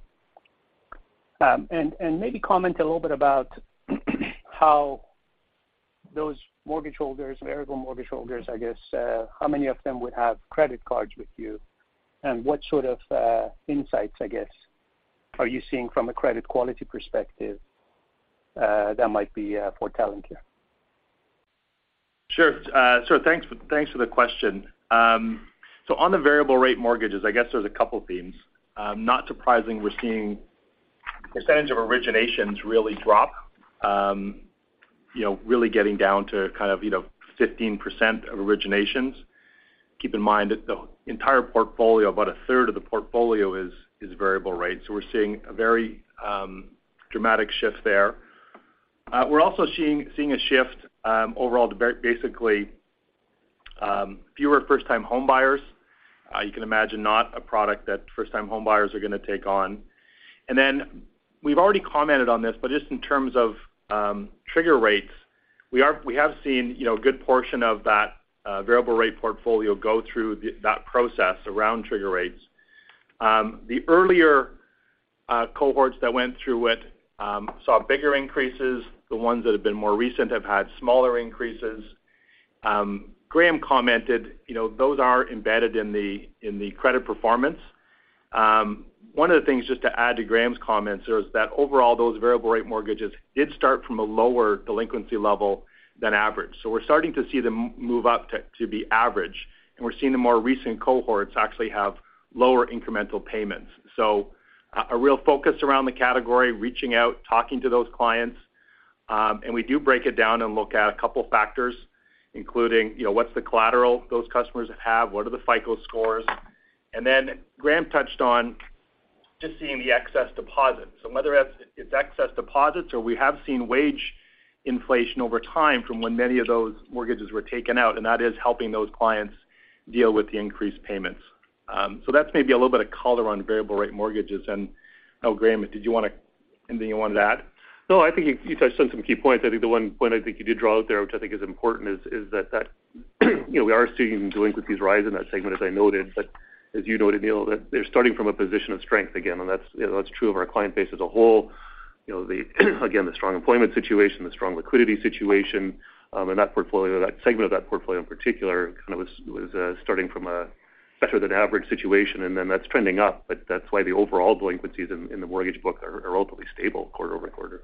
Maybe comment a little bit about how those mortgage holders, variable mortgage holders, I guess, how many of them would have credit cards with you? What sort of insights, I guess, are you seeing from a credit quality perspective that might be foretelling here? Sure, thanks for the question. On the variable rate mortgages, I guess there's a couple themes. Not surprising, we're seeing percentage of originations really drop, you know, really getting down to kind of, you know, 15% of originations. Keep in mind that the entire portfolio, about a third of the portfolio is variable rate. So we're seeing a very dramatic shift there. We're also seeing a shift overall to basically fewer first-time home buyers. You can imagine not a product that first-time home buyers are going to take on. Then we've already commented on this, but just in terms of trigger rates, we have seen, you know, a good portion of that variable rate portfolio go through that process around trigger rates. The earlier cohorts that went through it saw bigger increases. The ones that have been more recent have had smaller increases. Graeme commented, you know, those are embedded in the credit performance. One of the things just to add to Graeme's comments is that overall, those variable rate mortgages did start from a lower delinquency level than average. We're starting to see them move up to the average, and we're seeing the more recent cohorts actually have lower incremental payments. A real focus around the category, reaching out, talking to those clients. We do break it down and look at a couple factors, including, you know, what's the collateral those customers have? What are the FICO scores? Graeme touched on just seeing the excess deposits. Whether it's excess deposits or we have seen wage inflation over time from when many of those mortgages were taken out, and that is helping those clients deal with the increased payments. That's maybe a little bit of color on variable rate mortgages. Oh, Graeme, did you want anything you wanna add? I think you touched on some key points. I think the one point I think you did draw out there, which I think is important, is that, you know, we are seeing delinquencies rise in that segment as I noted. As you noted, Neil, that they're starting from a position of strength again, and that's, you know, that's true of our client base as a whole. You know, the, again, the strong employment situation, the strong liquidity situation, and that portfolio, that segment of that portfolio in particular kind of was, starting from a better than average situation, and then that's trending up. That's why the overall delinquencies in the mortgage book are relatively stable quarter-over-quarter.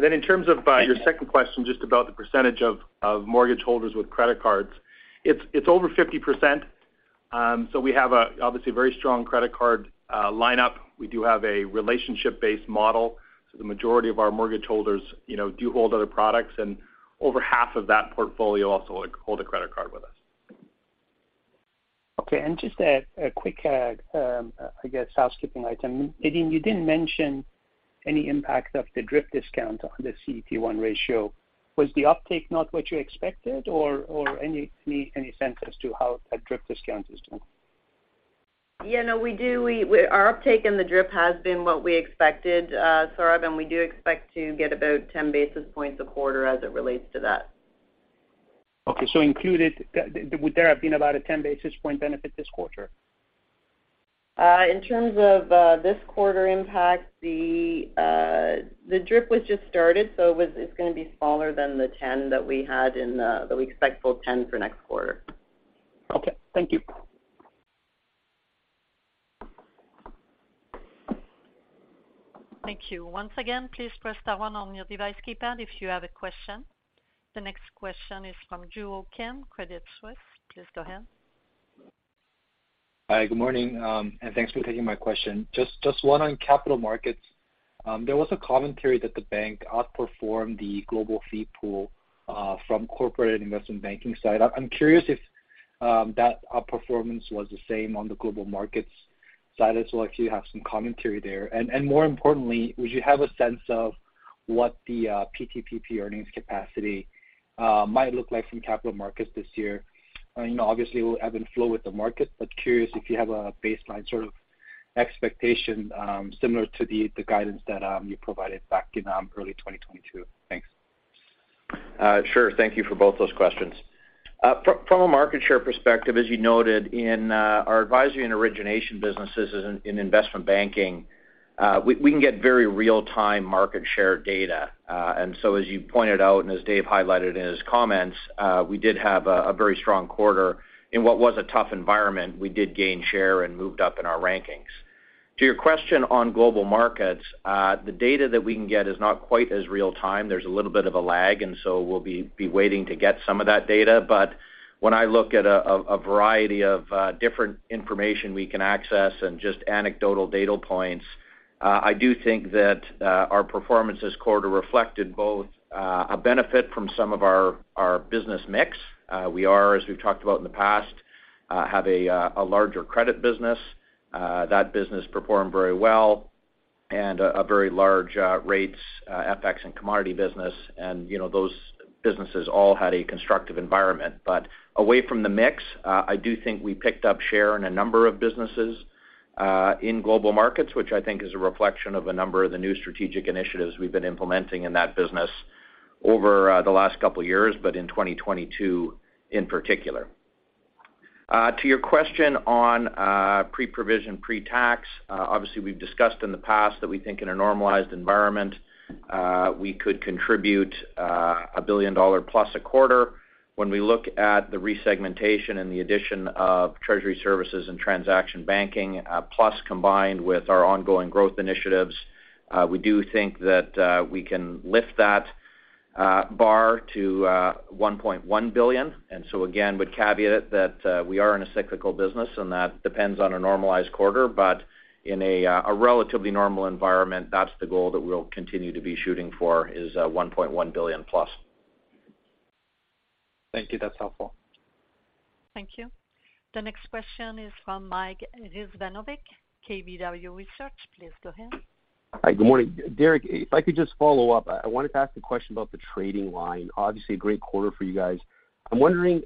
Then in terms of your second question, just about the percentage of mortgage holders with credit cards, it's over 50%. We have a obviously very strong credit card lineup. We do have a relationship-based model, so the majority of our mortgage holders, you know, do hold other products, and over half of that portfolio also hold a credit card with us. Okay. Just a quick, I guess, housekeeping item. Nadine, you didn't mention any impact of the DRIP discount on the CET1 ratio. Was the uptake not what you expected or any sense as to how that DRIP discount is doing? Yeah, no, we do. Our uptake in the DRIP has been what we expected, Sohrab, and we do expect to get about 10 basis points a quarter as it relates to that. Okay. Included, would there have been about a 10 basis point benefit this quarter? In terms of this quarter impact, the DRIP was just started, so it's gonna be smaller than the 10 that we had that we expect full 10 for next quarter. Okay. Thank you. Thank you. Once again, please press star one on your device keypad if you have a question. The next question is from Joo Ho Kim, Credit Suisse. Please go ahead. Hi. Good morning, and thanks for taking my question. Just one on Capital Markets. There was a commentary that the bank outperformed the global fee pool from corporate investment banking side. I'm curious if that outperformance was the same on the global markets side as well, if you have some commentary there. More importantly, would you have a sense of what the PTPP earnings capacity might look like from Capital Markets this year? I mean, obviously it will ebb and flow with the market, but curious if you have a baseline sort of expectation, similar to the guidance that you provided back in early 2022. Thanks. Sure. Thank you for both those questions. From a market share perspective, as you noted in our advisory and origination businesses in investment banking, we can get very real-time market share data. As you pointed out, and as Dave highlighted in his comments, we did have a very strong quarter. In what was a tough environment, we did gain share and moved up in our rankings. To your question on global markets, the data that we can get is not quite as real time. There's a little bit of a lag. We'll be waiting to get some of that data. When I look at a variety of different information we can access and just anecdotal data points, I do think that our performance this quarter reflected both a benefit from some of our business mix. We are, as we've talked about in the past, have a larger credit business. That business performed very well. A very large rates, FX and commodity business. You know, those businesses all had a constructive environment. Away from the mix, I do think we picked up share in a number of businesses in Global Markets, which I think is a reflection of a number of the new strategic initiatives we've been implementing in that business over the last couple years, but in 2022 in particular. To your question on pre-provision, pre-tax, obviously we've discussed in the past that we think in a normalized environment, we could contribute 1 billion dollar plus a quarter. When we look at the resegmentation and the addition of treasury services and transaction banking, plus combined with our ongoing growth initiatives, we do think that we can lift that bar to 1.1 billion. Again, would caveat that we are in a cyclical business, and that depends on a normalized quarter. In a relatively normal environment, that's the goal that we'll continue to be shooting for is 1.1 billion plus. Thank you. That's helpful. Thank you. The next question is from Mike Rizvanovic, KBW Research. Please go ahead. Hi. Good morning. Derek, if I could just follow up, I wanted to ask a question about the trading line. Obviously, a great quarter for you guys. I'm wondering,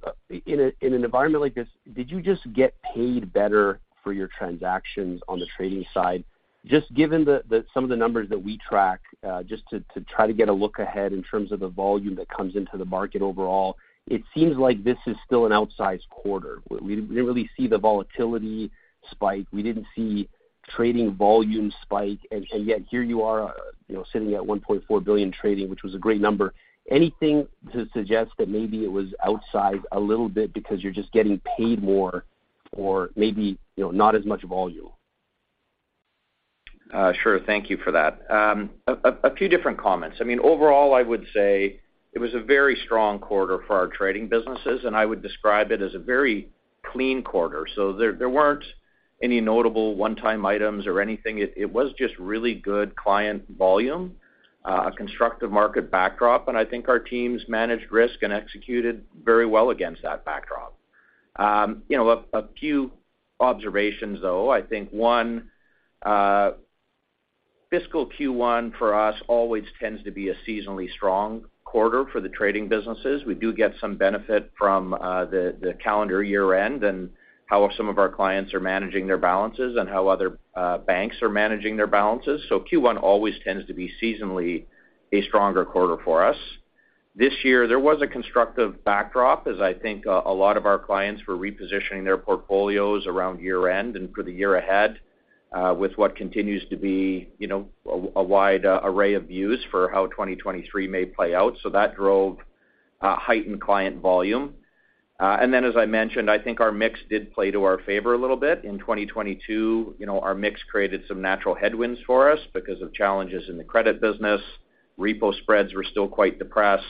in a, in an environment like this, did you just get paid better for your transactions on the trading side? Just given some of the numbers that we track, just to try to get a look ahead in terms of the volume that comes into the market overall, it seems like this is still an outsized quarter. We didn't really see the volatility spike. We didn't see trading volume spike. Yet here you are, you know, sitting at 1.4 billion trading, which was a great number. Anything to suggest that maybe it was outsized a little bit because you're just getting paid more or maybe, you know, not as much volume? Sure. Thank you for that. A few different comments. I mean overall, I would say it was a very strong quarter for our trading businesses, and I would describe it as a very clean quarter. There weren't any notable one-time items or anything. It was just really good client volume, a constructive market backdrop, and I think our teams managed risk and executed very well against that backdrop. You know, a few observations though. I think one, fiscal Q1 for us always tends to be a seasonally strong quarter for the trading businesses. We do get some benefit from the calendar year-end and how some of our clients are managing their balances and how other banks are managing their balances. Q1 always tends to be seasonally a stronger quarter for us. This year, there was a constructive backdrop as I think a lot of our clients were repositioning their portfolios around year-end and for the year ahead, with what continues to be, you know, a wide array of views for how 2023 may play out. That drove heightened client volume. As I mentioned, I think our mix did play to our favor a little bit. In 2022, you know, our mix created some natural headwinds for us because of challenges in the credit business. Repo spreads were still quite depressed.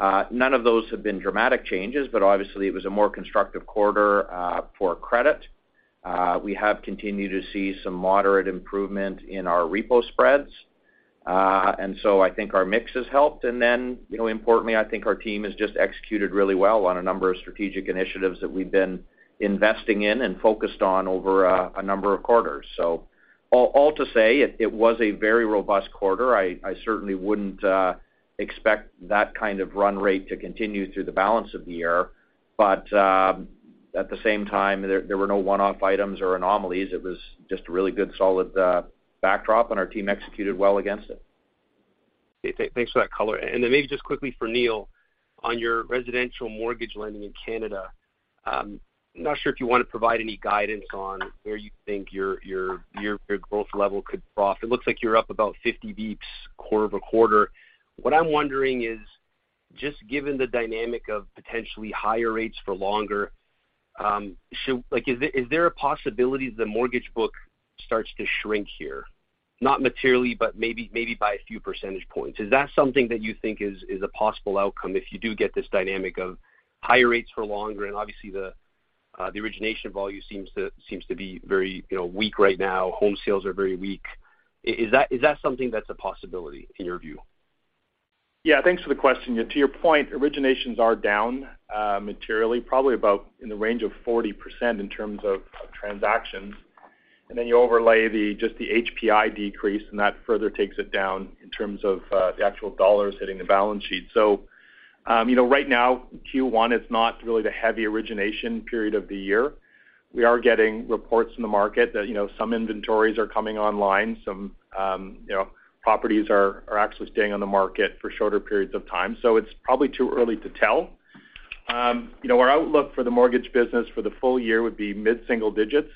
None of those have been dramatic changes, obviously it was a more constructive quarter for credit. We have continued to see some moderate improvement in our repo spreads. I think our mix has helped. You know, importantly, I think our team has just executed really well on a number of strategic initiatives that we've been investing in and focused on over a number of quarters. All to say, it was a very robust quarter. I certainly wouldn't expect that kind of run rate to continue through the balance of the year. At the same time, there were no one-off items or anomalies. It was just a really good solid backdrop, and our team executed well against it. Okay. Thanks for that color. Then maybe just quickly for Neil, on your residential mortgage lending in Canada, I'm not sure if you want to provide any guidance on where you think your growth level could cross. It looks like you're up about 50 basis points quarter-over-quarter. What I'm wondering is, just given the dynamic of potentially higher rates for longer, like is there a possibility the mortgage book starts to shrink here? Not materially, but maybe by a few percentage points. Is that something that you think is a possible outcome if you do get this dynamic of higher rates for longer? Obviously the origination volume seems to be very, you know, weak right now. Home sales are very weak. Is that something that's a possibility in your view? Yeah, thanks for the question. To your point, originations are down materially, probably about in the range of 40% in terms of transactions. You overlay just the HPI decrease, and that further takes it down in terms of the actual dollars hitting the balance sheet. You know, right now, Q1 is not really the heavy origination period of the year. We are getting reports in the market that, you know, some inventories are coming online, some, you know, properties are actually staying on the market for shorter periods of time. It's probably too early to tell. You know, our outlook for the mortgage business for the full year would be mid-single digits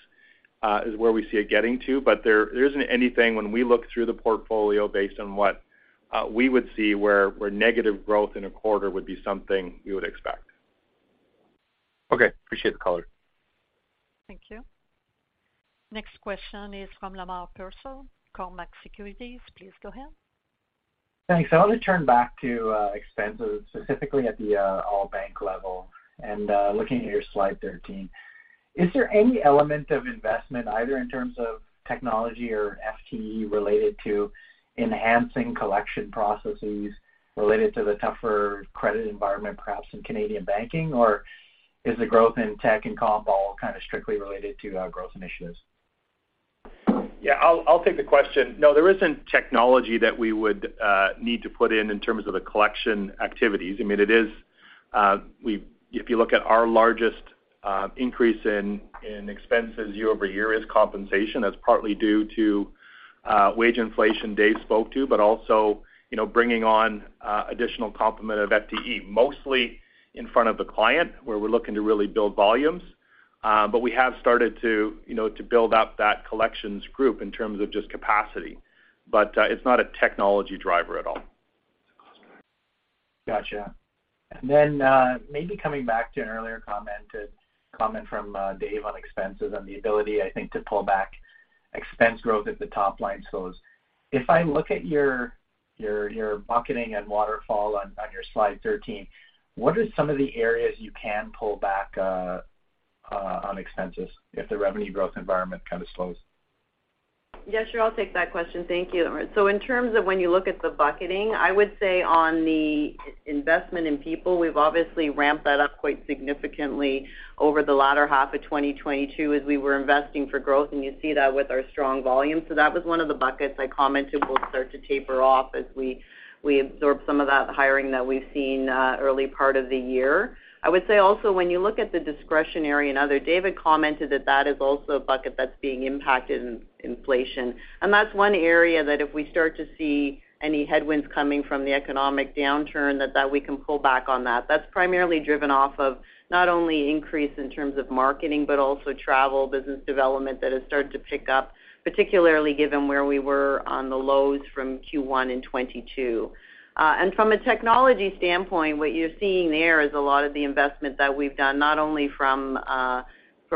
is where we see it getting to. There isn't anything when we look through the portfolio based on what we would see where negative growth in a quarter would be something we would expect. Okay. Appreciate the color. Thank you. Next question is from Lemar Persaud, Cormark Securities. Please go ahead. Thanks. I want to turn back to expenses, specifically at the all bank level and looking at your slide 13. Is there any element of investment, either in terms of technology or FTE related to enhancing collection processes related to the tougher credit environment perhaps in Canadian banking? Or is the growth in tech and comp all kind of strictly related to growth initiatives? Yeah, I'll take the question. No, there isn't technology that we would need to put in in terms of the collection activities. I mean, it is, if you look at our largest increase in expenses year-over-year is compensation. That's partly due to wage inflation Dave spoke to, but also, you know, bringing on additional complement of FTE, mostly in front of the client where we're looking to really build volumes. We have started to, you know, to build up that collections group in terms of just capacity. It's not a technology driver at all. Gotcha. Then, maybe coming back to an earlier comment, a comment from Dave on expenses and the ability, I think, to pull back expense growth if the top line slows. If I look at your bucketing and waterfall on your slide 13, what are some of the areas you can pull back on expenses if the revenue growth environment kind of slows? Yeah, sure. I'll take that question. Thank you. In terms of when you look at the bucketing, I would say on the investment in people, we've obviously ramped that up quite significantly over the latter half of 2022 as we were investing for growth, and you see that with our strong volume. That was one of the buckets I commented will start to taper off as we absorb some of that hiring that we've seen early part of the year. I would say also when you look at the discretionary and other, David commented that is also a bucket that's being impacted in inflation. That's one area that if we start to see any headwinds coming from the economic downturn, that we can pull back on that. That's primarily driven off of not only increase in terms of marketing, but also travel, business development that has started to pick up, particularly given where we were on the lows from Q1 in 2022. From a technology standpoint, what you're seeing there is a lot of the investment that we've done, not only from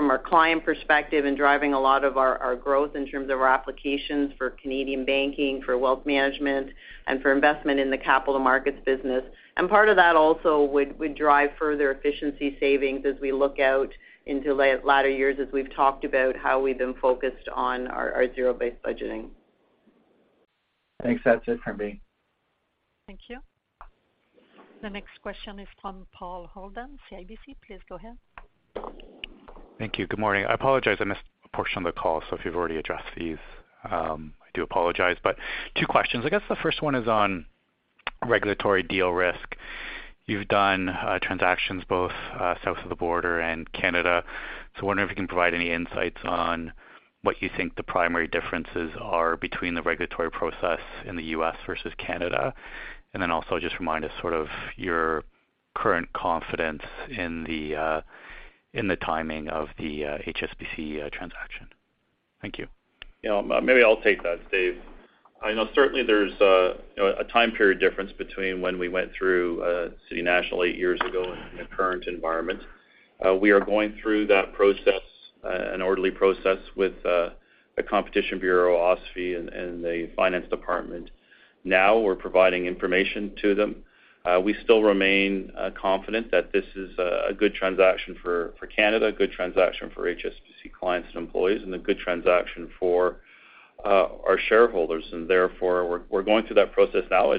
our client perspective and driving a lot of our growth in terms of our applications for Canadian banking, for wealth management, and for investment in the capital markets business. Part of that also would drive further efficiency savings as we look out into latter years as we've talked about how we've been focused on our zero-based budgeting. Thanks. That's it from me. Thank you. The next question is from Paul Holden, CIBC. Please go ahead. Thank you. Good morning. I apologize, I missed a portion of the call, so if you've already addressed these, I do apologize. Two questions. I guess the first one is on regulatory deal risk. You've done, transactions both, south of the border and Canada. Wondering if you can provide any insights on what you think the primary differences are between the regulatory process in the U.S. versus Canada? Also just remind us sort of your current confidence in the, in the timing of the, HSBC, transaction? Thank you. You know, maybe I'll take that, Dave. I know certainly there's, you know, a time period difference between when we went through City National eight years ago and the current environment. We are going through that process, an orderly process with the Competition Bureau, OSFI and the Finance Department. We're providing information to them. We still remain confident that this is a good transaction for Canada, a good transaction for HSBC clients and employees, and a good transaction for our shareholders. Therefore, we're going through that process now.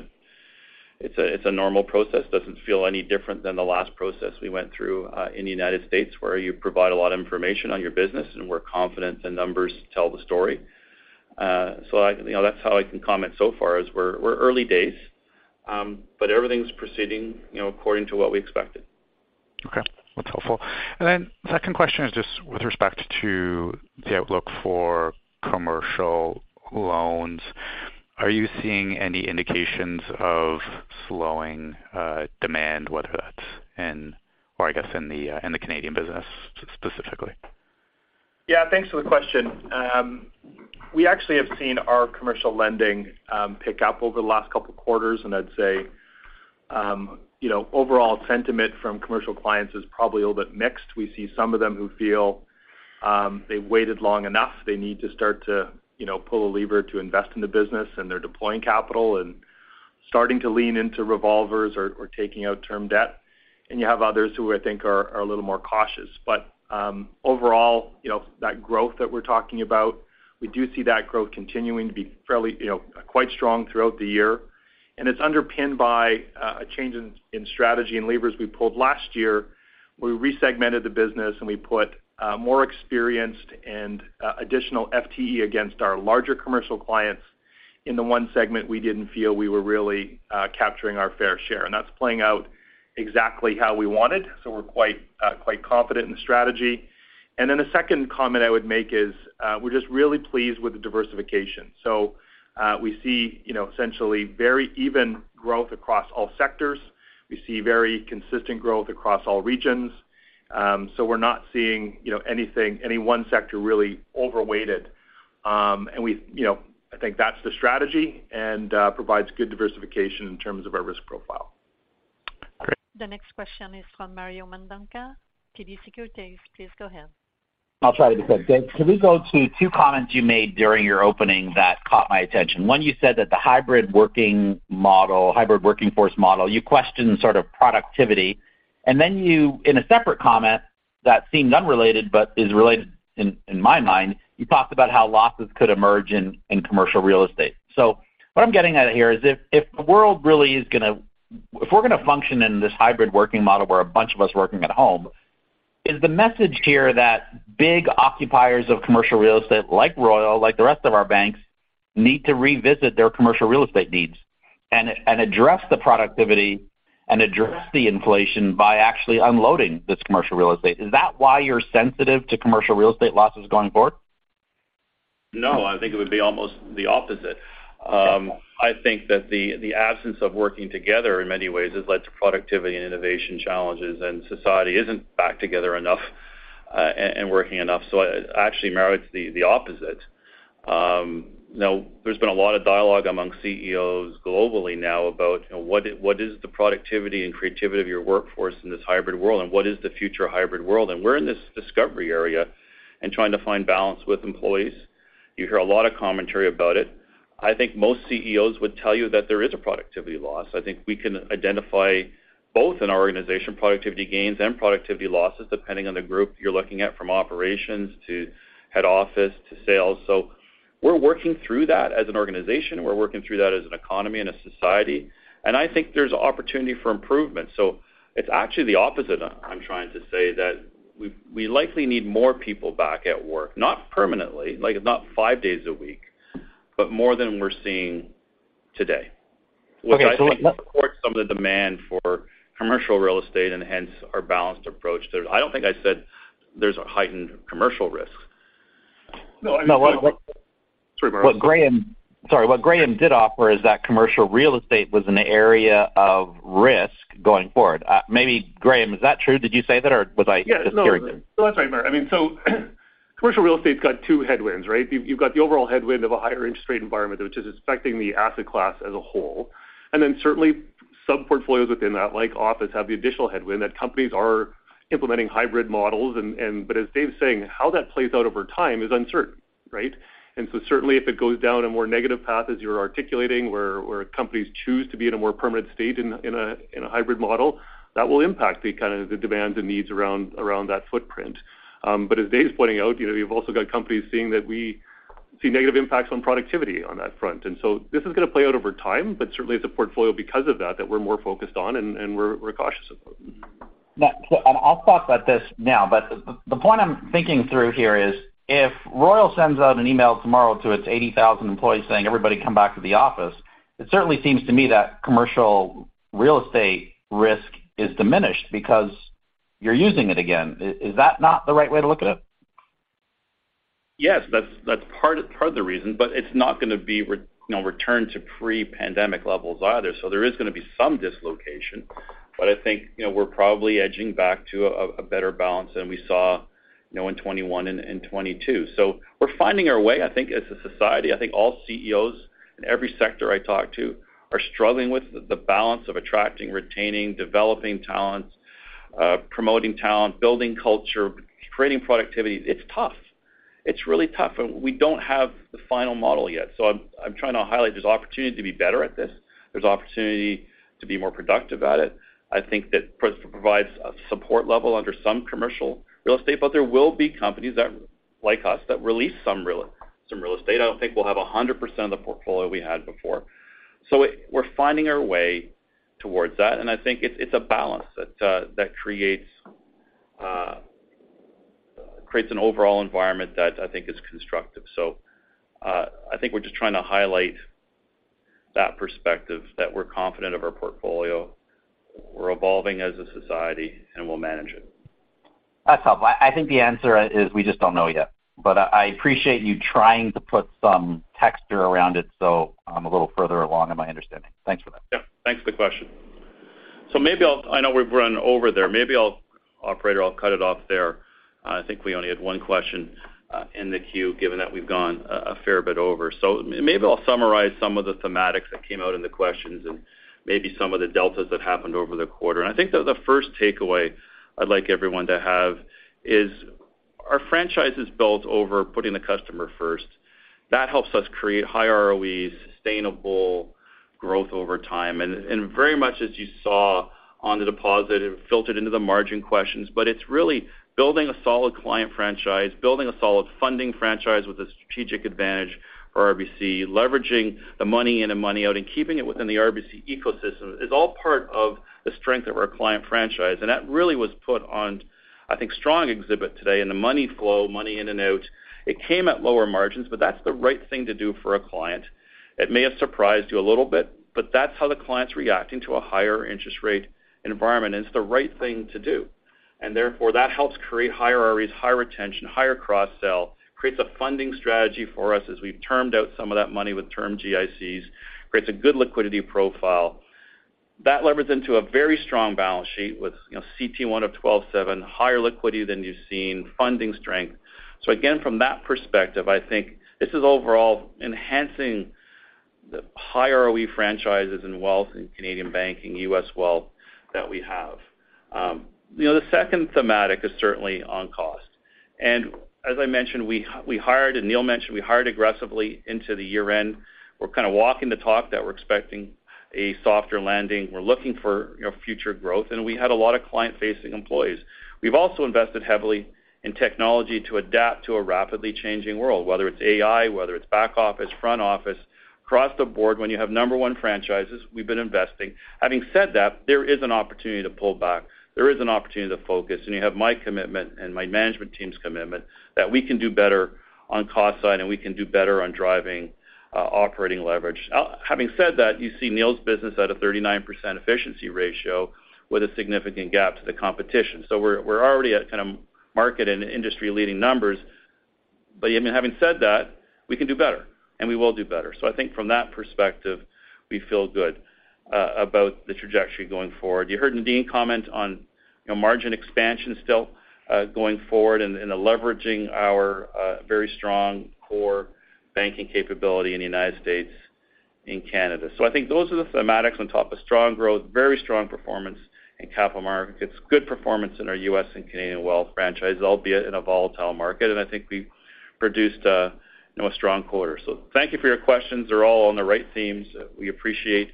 It's a normal process. Doesn't feel any different than the last process we went through in the United States, where you provide a lot of information on your business. We're confident the numbers tell the story. I, you know, that's how I can comment so far, is we're early days, but everything's proceeding, you know, according to what we expected. Okay, that's helpful. Second question is just with respect to the outlook for commercial loans. Are you seeing any indications of slowing, demand, whether that's in or, I guess, in the Canadian business specifically? Yeah. Thanks for the question. We actually have seen our commercial lending pick up over the last couple of quarters. I'd say, you know, overall sentiment from commercial clients is probably a little bit mixed. We see some of them who feel they've waited long enough. They need to start to, you know, pull a lever to invest in the business, and they're deploying capital and starting to lean into revolvers or taking out term debt. You have others who I think are a little more cautious. Overall, you know, that growth that we're talking about, we do see that growth continuing to be fairly, you know, quite strong throughout the year. It's underpinned by a change in strategy and levers we pulled last year, where we resegmented the business and we put more experienced and additional FTE against our larger commercial clients. In the one segment, we didn't feel we were really capturing our fair share, and that's playing out exactly how we wanted. We're quite confident in the strategy. The second comment I would make is, we're just really pleased with the diversification. We see, you know, essentially very even growth across all sectors. We see very consistent growth across all regions. We're not seeing, you know, anything, any one sector really overweighted. We, you know, I think that's the strategy and provides good diversification in terms of our risk profile. Great. The next question is from Mario Mendonca, TD Securities. Please go ahead. I'll try to be quick. Dave, can we go to two comments you made during your opening that caught my attention. One, you said that the hybrid working model, hybrid working force model, you questioned sort of productivity. You, in a separate comment that seemed unrelated but is related in my mind, you talked about how losses could emerge in commercial real estate. What I'm getting at here is if the world really is gonna If we're gonna function in this hybrid working model where a bunch of us are working at home, is the message here that big occupiers of commercial real estate, like Royal, like the rest of our banks, need to revisit their commercial real estate needs and address the productivity and address the inflation by actually unloading this commercial real estate? Is that why you're sensitive to commercial real estate losses going forward? No, I think it would be almost the opposite. I think that the absence of working together in many ways has led to productivity and innovation challenges, and society isn't back together enough, and working enough. Actually, Mario, it's the opposite. You know, there's been a lot of dialogue among CEOs globally now about, you know, what is the productivity and creativity of your workforce in this hybrid world, and what is the future hybrid world? We're in this discovery area and trying to find balance with employees. You hear a lot of commentary about it. I think most CEOs would tell you that there is a productivity loss. I think we can identify both in our organization, productivity gains and productivity losses, depending on the group you're looking at, from operations to head office to sales. We're working through that as an organization. We're working through that as an economy and a society. I think there's opportunity for improvement. It's actually the opposite. I'm trying to say that we likely need more people back at work, not permanently, like, not five days a week, but more than we're seeing today. Okay. Which I think supports some of the demand for commercial real estate and hence our balanced approach there. I don't think I said there's a heightened commercial risk. No, I know. Sorry, Mario. Sorry, what Graeme did offer is that commercial real estate was an area of risk going forward. Maybe Graeme, is that true? Did you say that, or was I just hearing things? Yeah, no. No, that's right, Mario. I mean, commercial real estate's got two headwinds, right? You've got the overall headwind of a higher interest rate environment, which is affecting the asset class as a whole. Certainly sub-portfolios within that, like office, have the additional headwind that companies are implementing hybrid models. As Dave's saying, how that plays out over time is uncertain, right? Certainly if it goes down a more negative path, as you're articulating, where companies choose to be in a more permanent state in a, in a, in a hybrid model, that will impact the kind of the demands and needs around that footprint. As Dave's pointing out, you know, you've also got companies seeing that we see negative impacts on productivity on that front. This is gonna play out over time, but certainly it's a portfolio because of that we're more focused on and we're cautious about. I'll talk about this now, but the point I'm thinking through here is, if Royal sends out an email tomorrow to its 80,000 employees saying, "Everybody come back to the office," it certainly seems to me that commercial real estate risk is diminished because you're using it again. Is that not the right way to look at it? Yes. That's part of the reason, it's not gonna be you know, return to pre-pandemic levels either. There is gonna be some dislocation. I think, you know, we're probably edging back to a better balance than we saw, you know, in 2021 and 2022. We're finding our way, I think, as a society. I think all CEOs in every sector I talk to are struggling with the balance of attracting, retaining, developing talent, promoting talent, building culture, creating productivity. It's tough. It's really tough, we don't have the final model yet. I'm trying to highlight there's opportunity to be better at this. There's opportunity to be more productive at it. I think that provides a support level under some commercial real estate, but there will be companies that, like us, that release some real estate. I don't think we'll have 100% of the portfolio we had before. We're finding our way towards that, and I think it's a balance that creates an overall environment that I think is constructive. I think we're just trying to highlight that perspective that we're confident of our portfolio. We're evolving as a society, and we'll manage it. That's helpful. I think the answer is we just don't know yet. I appreciate you trying to put some texture around it, so I'm a little further along in my understanding. Thanks for that. Yep. Thanks for the question. Maybe I'll. I know we've run over there. Operator, I'll cut it off there. I think we only had one question in the queue given that we've gone a fair bit over. Maybe I'll summarize some of the thematics that came out in the questions and maybe some of the deltas that happened over the quarter. I think that the first takeaway I'd like everyone to have is our franchise is built over putting the customer first. That helps us create high ROEs, sustainable growth over time. Very much as you saw on the deposit, it filtered into the margin questions. It's really building a solid client franchise, building a solid funding franchise with a strategic advantage for RBC, leveraging the money in and money out, and keeping it within the RBC ecosystem is all part of the strength of our client franchise. That really was put on, I think, strong exhibit today in the money flow, money in and out. It came at lower margins, but that's the right thing to do for a client. It may have surprised you a little bit, but that's how the client's reacting to a higher interest rate environment, and it's the right thing to do. Therefore, that helps create higher ROEs, higher retention, higher cross-sell, creates a funding strategy for us as we've termed out some of that money with term GICs, creates a good liquidity profile. Levers into a very strong balance sheet with, you know, CET1 of 12.7, higher liquidity than you've seen, funding strength. Again, from that perspective, I think this is overall enhancing the high ROE franchises in wealth in Canadian banking, U.S. wealth that we have. You know, the second thematic is certainly on cost. As I mentioned, we hired, and Neil mentioned, we hired aggressively into the year-end. We're kind of walking the talk that we're expecting a softer landing. We're looking for, you know, future growth, and we had a lot of client-facing employees. We've also invested heavily in technology to adapt to a rapidly changing world, whether it's AI, whether it's back office, front office, across the board. When you have number one franchises, we've been investing. Having said that, there is an opportunity to pull back. There is an opportunity to focus, and you have my commitment and my management team's commitment that we can do better on cost side, and we can do better on driving operating leverage. Having said that, you see Neil's business at a 39% efficiency ratio with a significant gap to the competition. We're already at kind of market and industry-leading numbers. Even having said that, we can do better, and we will do better. I think from that perspective, we feel good about the trajectory going forward. You heard Nadine comment on, you know, margin expansion still going forward and leveraging our very strong core banking capability in the United States and Canada. I think those are the thematics on top of strong growth, very strong performance in Capital Markets, good performance in our U.S. and Canadian wealth franchise, albeit in a volatile market. I think we've produced a, you know, a strong quarter. Thank you for your questions. They're all on the right themes. We appreciate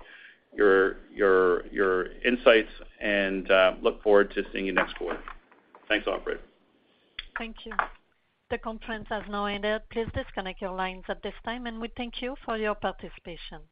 your insights and look forward to seeing you next quarter. Thanks, operator. Thank you. The conference has now ended. Please disconnect your lines at this time, and we thank you for your participation.